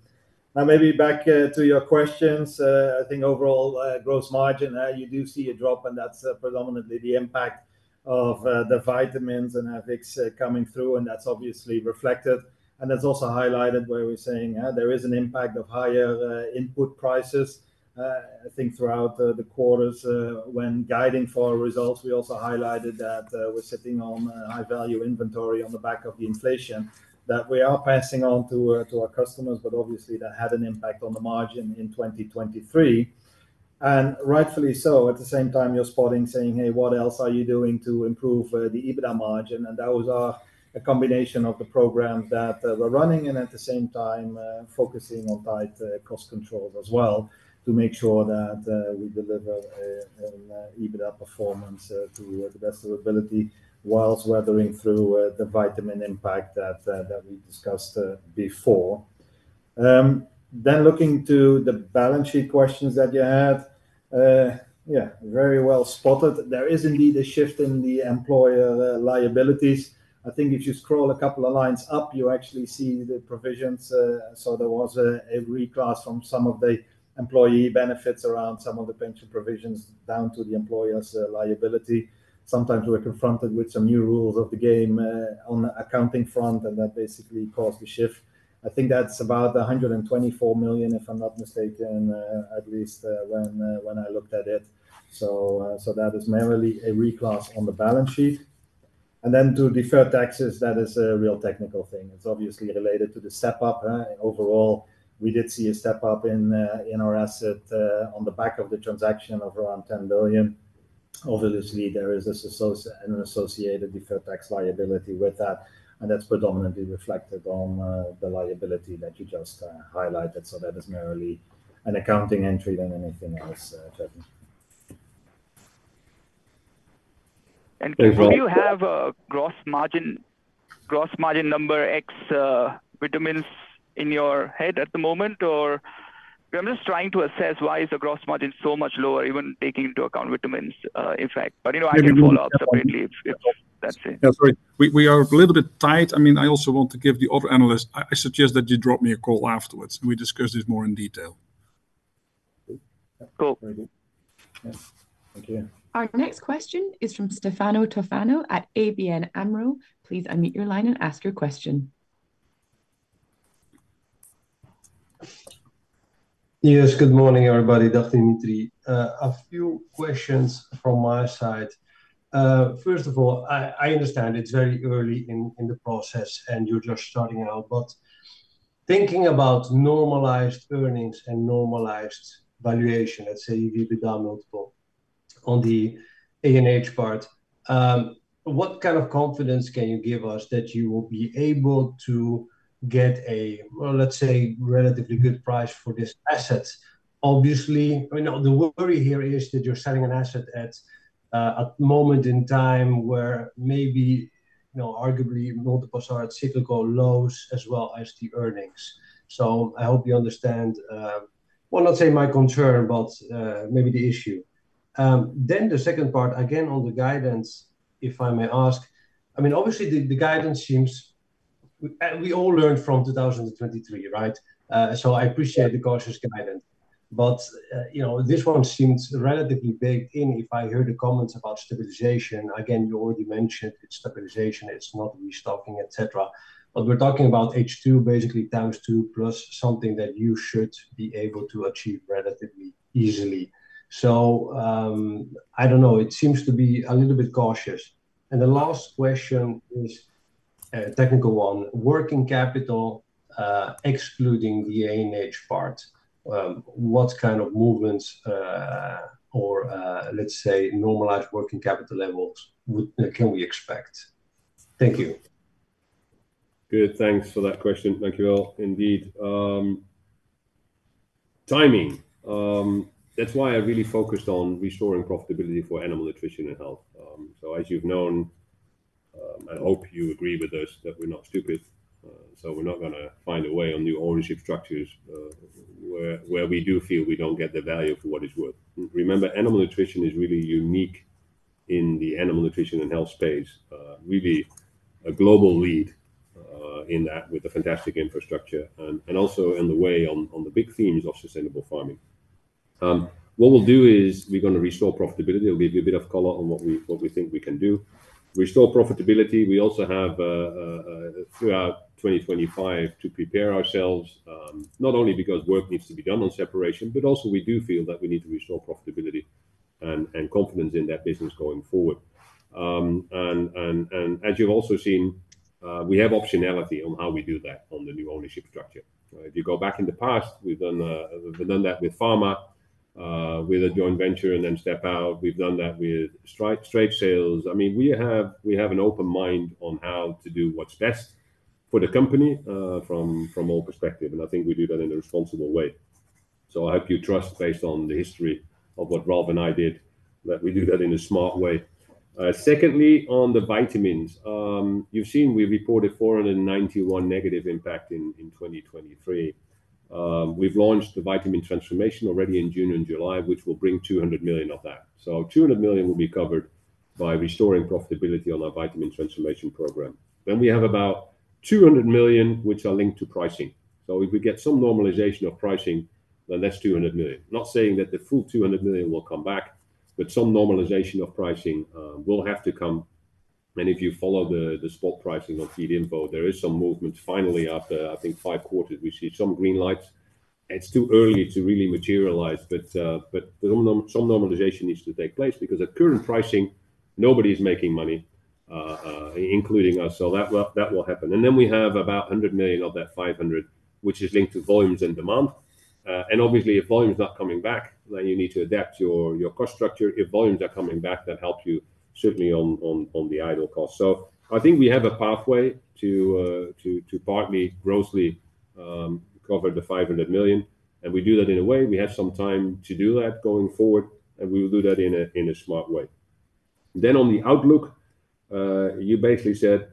Now, maybe back to your questions. I think overall gross margin, you do see a drop. That's predominantly the impact of the vitamins and FX coming through. That's obviously reflected. That's also highlighted where we're saying there is an impact of higher input prices, I think, throughout the quarters. When guiding for our results, we also highlighted that we're sitting on high-value inventory on the back of the inflation, that we are passing on to our customers. But obviously, that had an impact on the margin in 2023. Rightfully so. At the same time, you're spotting, saying, "Hey, what else are you doing to improve the EBITDA margin?" That was a combination of the programs that we're running. At the same time, focusing on tight cost controls as well to make sure that we deliver an EBITDA performance to the best of our ability whilst weathering through the vitamin impact that we discussed before. Looking to the balance sheet questions that you had, yeah, very well spotted. There is indeed a shift in the employer liabilities. I think if you scroll a couple of lines up, you actually see the provisions. So there was a reclass from some of the employee benefits around some of the pension provisions down to the employer's liability. Sometimes, we're confronted with some new rules of the game on the accounting front. And that basically caused the shift. I think that's about 124 million, if I'm not mistaken, at least when I looked at it. So that is merely a reclass on the balance sheet. And then to deferred taxes, that is a real technical thing. It's obviously related to the step-up. Overall, we did see a step-up in our asset on the back of the transaction of around 10 billion. Obviously, there is an associated deferred tax liability with that. And that's predominantly reflected on the liability that you just highlighted. So that is merely an accounting entry than anything else, Chetan. And do you have a gross margin number X vitamins in your head at the moment? Or I'm just trying to assess why is the gross margin so much lower, even taking into account vitamins effect? But I can follow up separately if that's it. Yeah, sorry. We are a little bit tight. I mean, I also want to give the other analysts I suggest that you drop me a call afterwards. And we discuss this more in detail. Cool. Thank you. Our next question is from Stefano Toffano at ABN AMRO. Please unmute your line and ask your question. Yes. Good morning, everybody. Dr. Dimitri. A few questions from my side. First of all, I understand it's very early in the process. And you're just starting out. But thinking about normalized earnings and normalized valuation, let's say EBITDA multiple on the A and H part, what kind of confidence can you give us that you will be able to get a, let's say, relatively good price for this asset? Obviously, the worry here is that you're selling an asset at a moment in time where maybe, arguably, multiples are at cyclical lows as well as the earnings. So I hope you understand, well, not say my concern, but maybe the issue. Then the second part, again, on the guidance, if I may ask. I mean, obviously, the guidance seems we all learned from 2023, right? So I appreciate the cautious guidance. But this one seems relatively baked in if I hear the comments about stabilization. Again, you already mentioned it's stabilization. It's not restocking, et cetera. We're talking about H2, basically, times two plus something that you should be able to achieve relatively easily. So I don't know. It seems to be a little bit cautious. The last question is a technical one. Working capital, excluding the A and H part, what kind of movements or, let's say, normalized working capital levels can we expect? Thank you. Good. Thanks for that question. Thank you all, indeed. Timing, that's why I really focused on restoring profitability for animal nutrition and health. As you've known, I hope you agree with us that we're not stupid. We're not going to find a way on new ownership structures where we do feel we don't get the value for what it's worth. Remember, animal nutrition is really unique in the animal nutrition and health space, really a global lead in that with the fantastic infrastructure and also in the way on the big themes of sustainable farming. What we'll do is we're going to restore profitability. I'll give you a bit of color on what we think we can do. Restore profitability. We also have throughout 2025 to prepare ourselves, not only because work needs to be done on separation, but also we do feel that we need to restore profitability and confidence in that business going forward. And as you've also seen, we have optionality on how we do that on the new ownership structure. If you go back in the past, we've done that with pharma, with a joint venture, and then step out. We've done that with straight sales. I mean, we have an open mind on how to do what's best for the company from all perspective. And I think we do that in a responsible way. So I hope you trust, based on the history of what Ralf and I did, that we do that in a smart way. Secondly, on the vitamins, you've seen we reported 491 million negative impact in 2023. We've launched the vitamin transformation already in June and July, which will bring 200 million of that. So 200 million will be covered by restoring profitability on our vitamin transformation program. Then we have about 200 million, which are linked to pricing. So if we get some normalization of pricing, then that's 200 million. Not saying that the full 200 million will come back. But some normalization of pricing will have to come. If you follow the spot pricing on Feedinfo, there is some movement. Finally, after, I think, 5 quarters, we see some green lights. It's too early to really materialize. Some normalisation needs to take place because at current pricing, nobody is making money, including us. That will happen. Then we have about 100 million of that 500 million, which is linked to volumes and demand. Obviously, if volume's not coming back, then you need to adapt your cost structure. If volumes are coming back, that helps you, certainly, on the idle cost. I think we have a pathway to partly, grossly cover the 500 million. We do that in a way. We have some time to do that going forward. We will do that in a smart way. Then on the outlook, you basically said,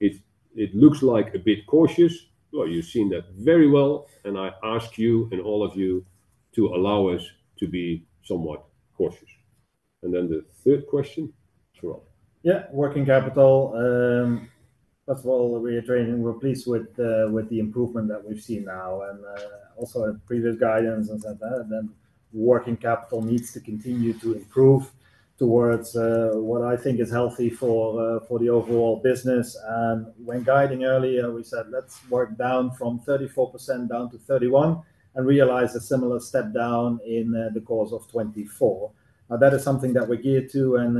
"it looks like a bit cautious." Well, you've seen that very well. And I ask you and all of you to allow us to be somewhat cautious. And then the third question for Ralf. Yeah. Working capital, first of all, we're pleased with the improvement that we've seen now and also in previous guidance and such that. And then working capital needs to continue to improve towards what I think is healthy for the overall business. And when guiding earlier, we said, "Let's work down from 34% down to 31% and realize a similar step down in the course of 2024." Now, that is something that we're geared to and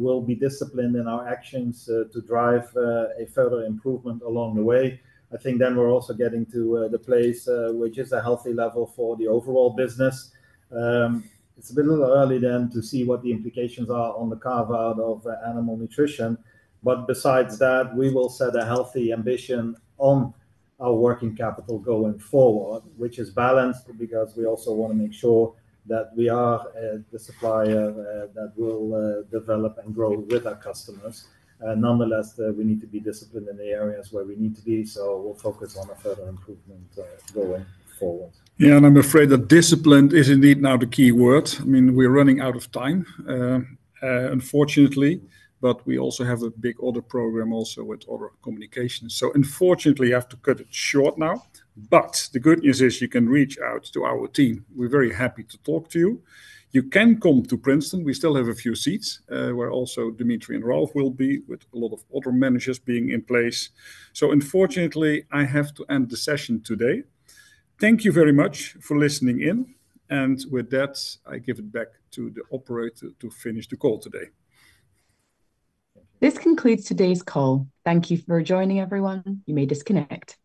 will be disciplined in our actions to drive a further improvement along the way. I think then we're also getting to the place, which is a healthy level for the overall business. It's a little early then to see what the implications are on the carve-out of animal nutrition. But besides that, we will set a healthy ambition on our working capital going forward, which is balanced because we also want to make sure that we are the supplier that will develop and grow with our customers. Nonetheless, we need to be disciplined in the areas where we need to be. So we'll focus on a further improvement going forward. Yeah. And I'm afraid that discipline is indeed now the key word. I mean, we're running out of time, unfortunately. But we also have a big other program also with other communications. So unfortunately, I have to cut it short now. But the good news is you can reach out to our team. We're very happy to talk to you. You can come to Princeton. We still have a few seats where also Dimitri and Ralf will be with a lot of other managers being in place. Unfortunately, I have to end the session today. Thank you very much for listening in. With that, I give it back to the operator to finish the call today. This concludes today's call. Thank you for joining, everyone. You may disconnect.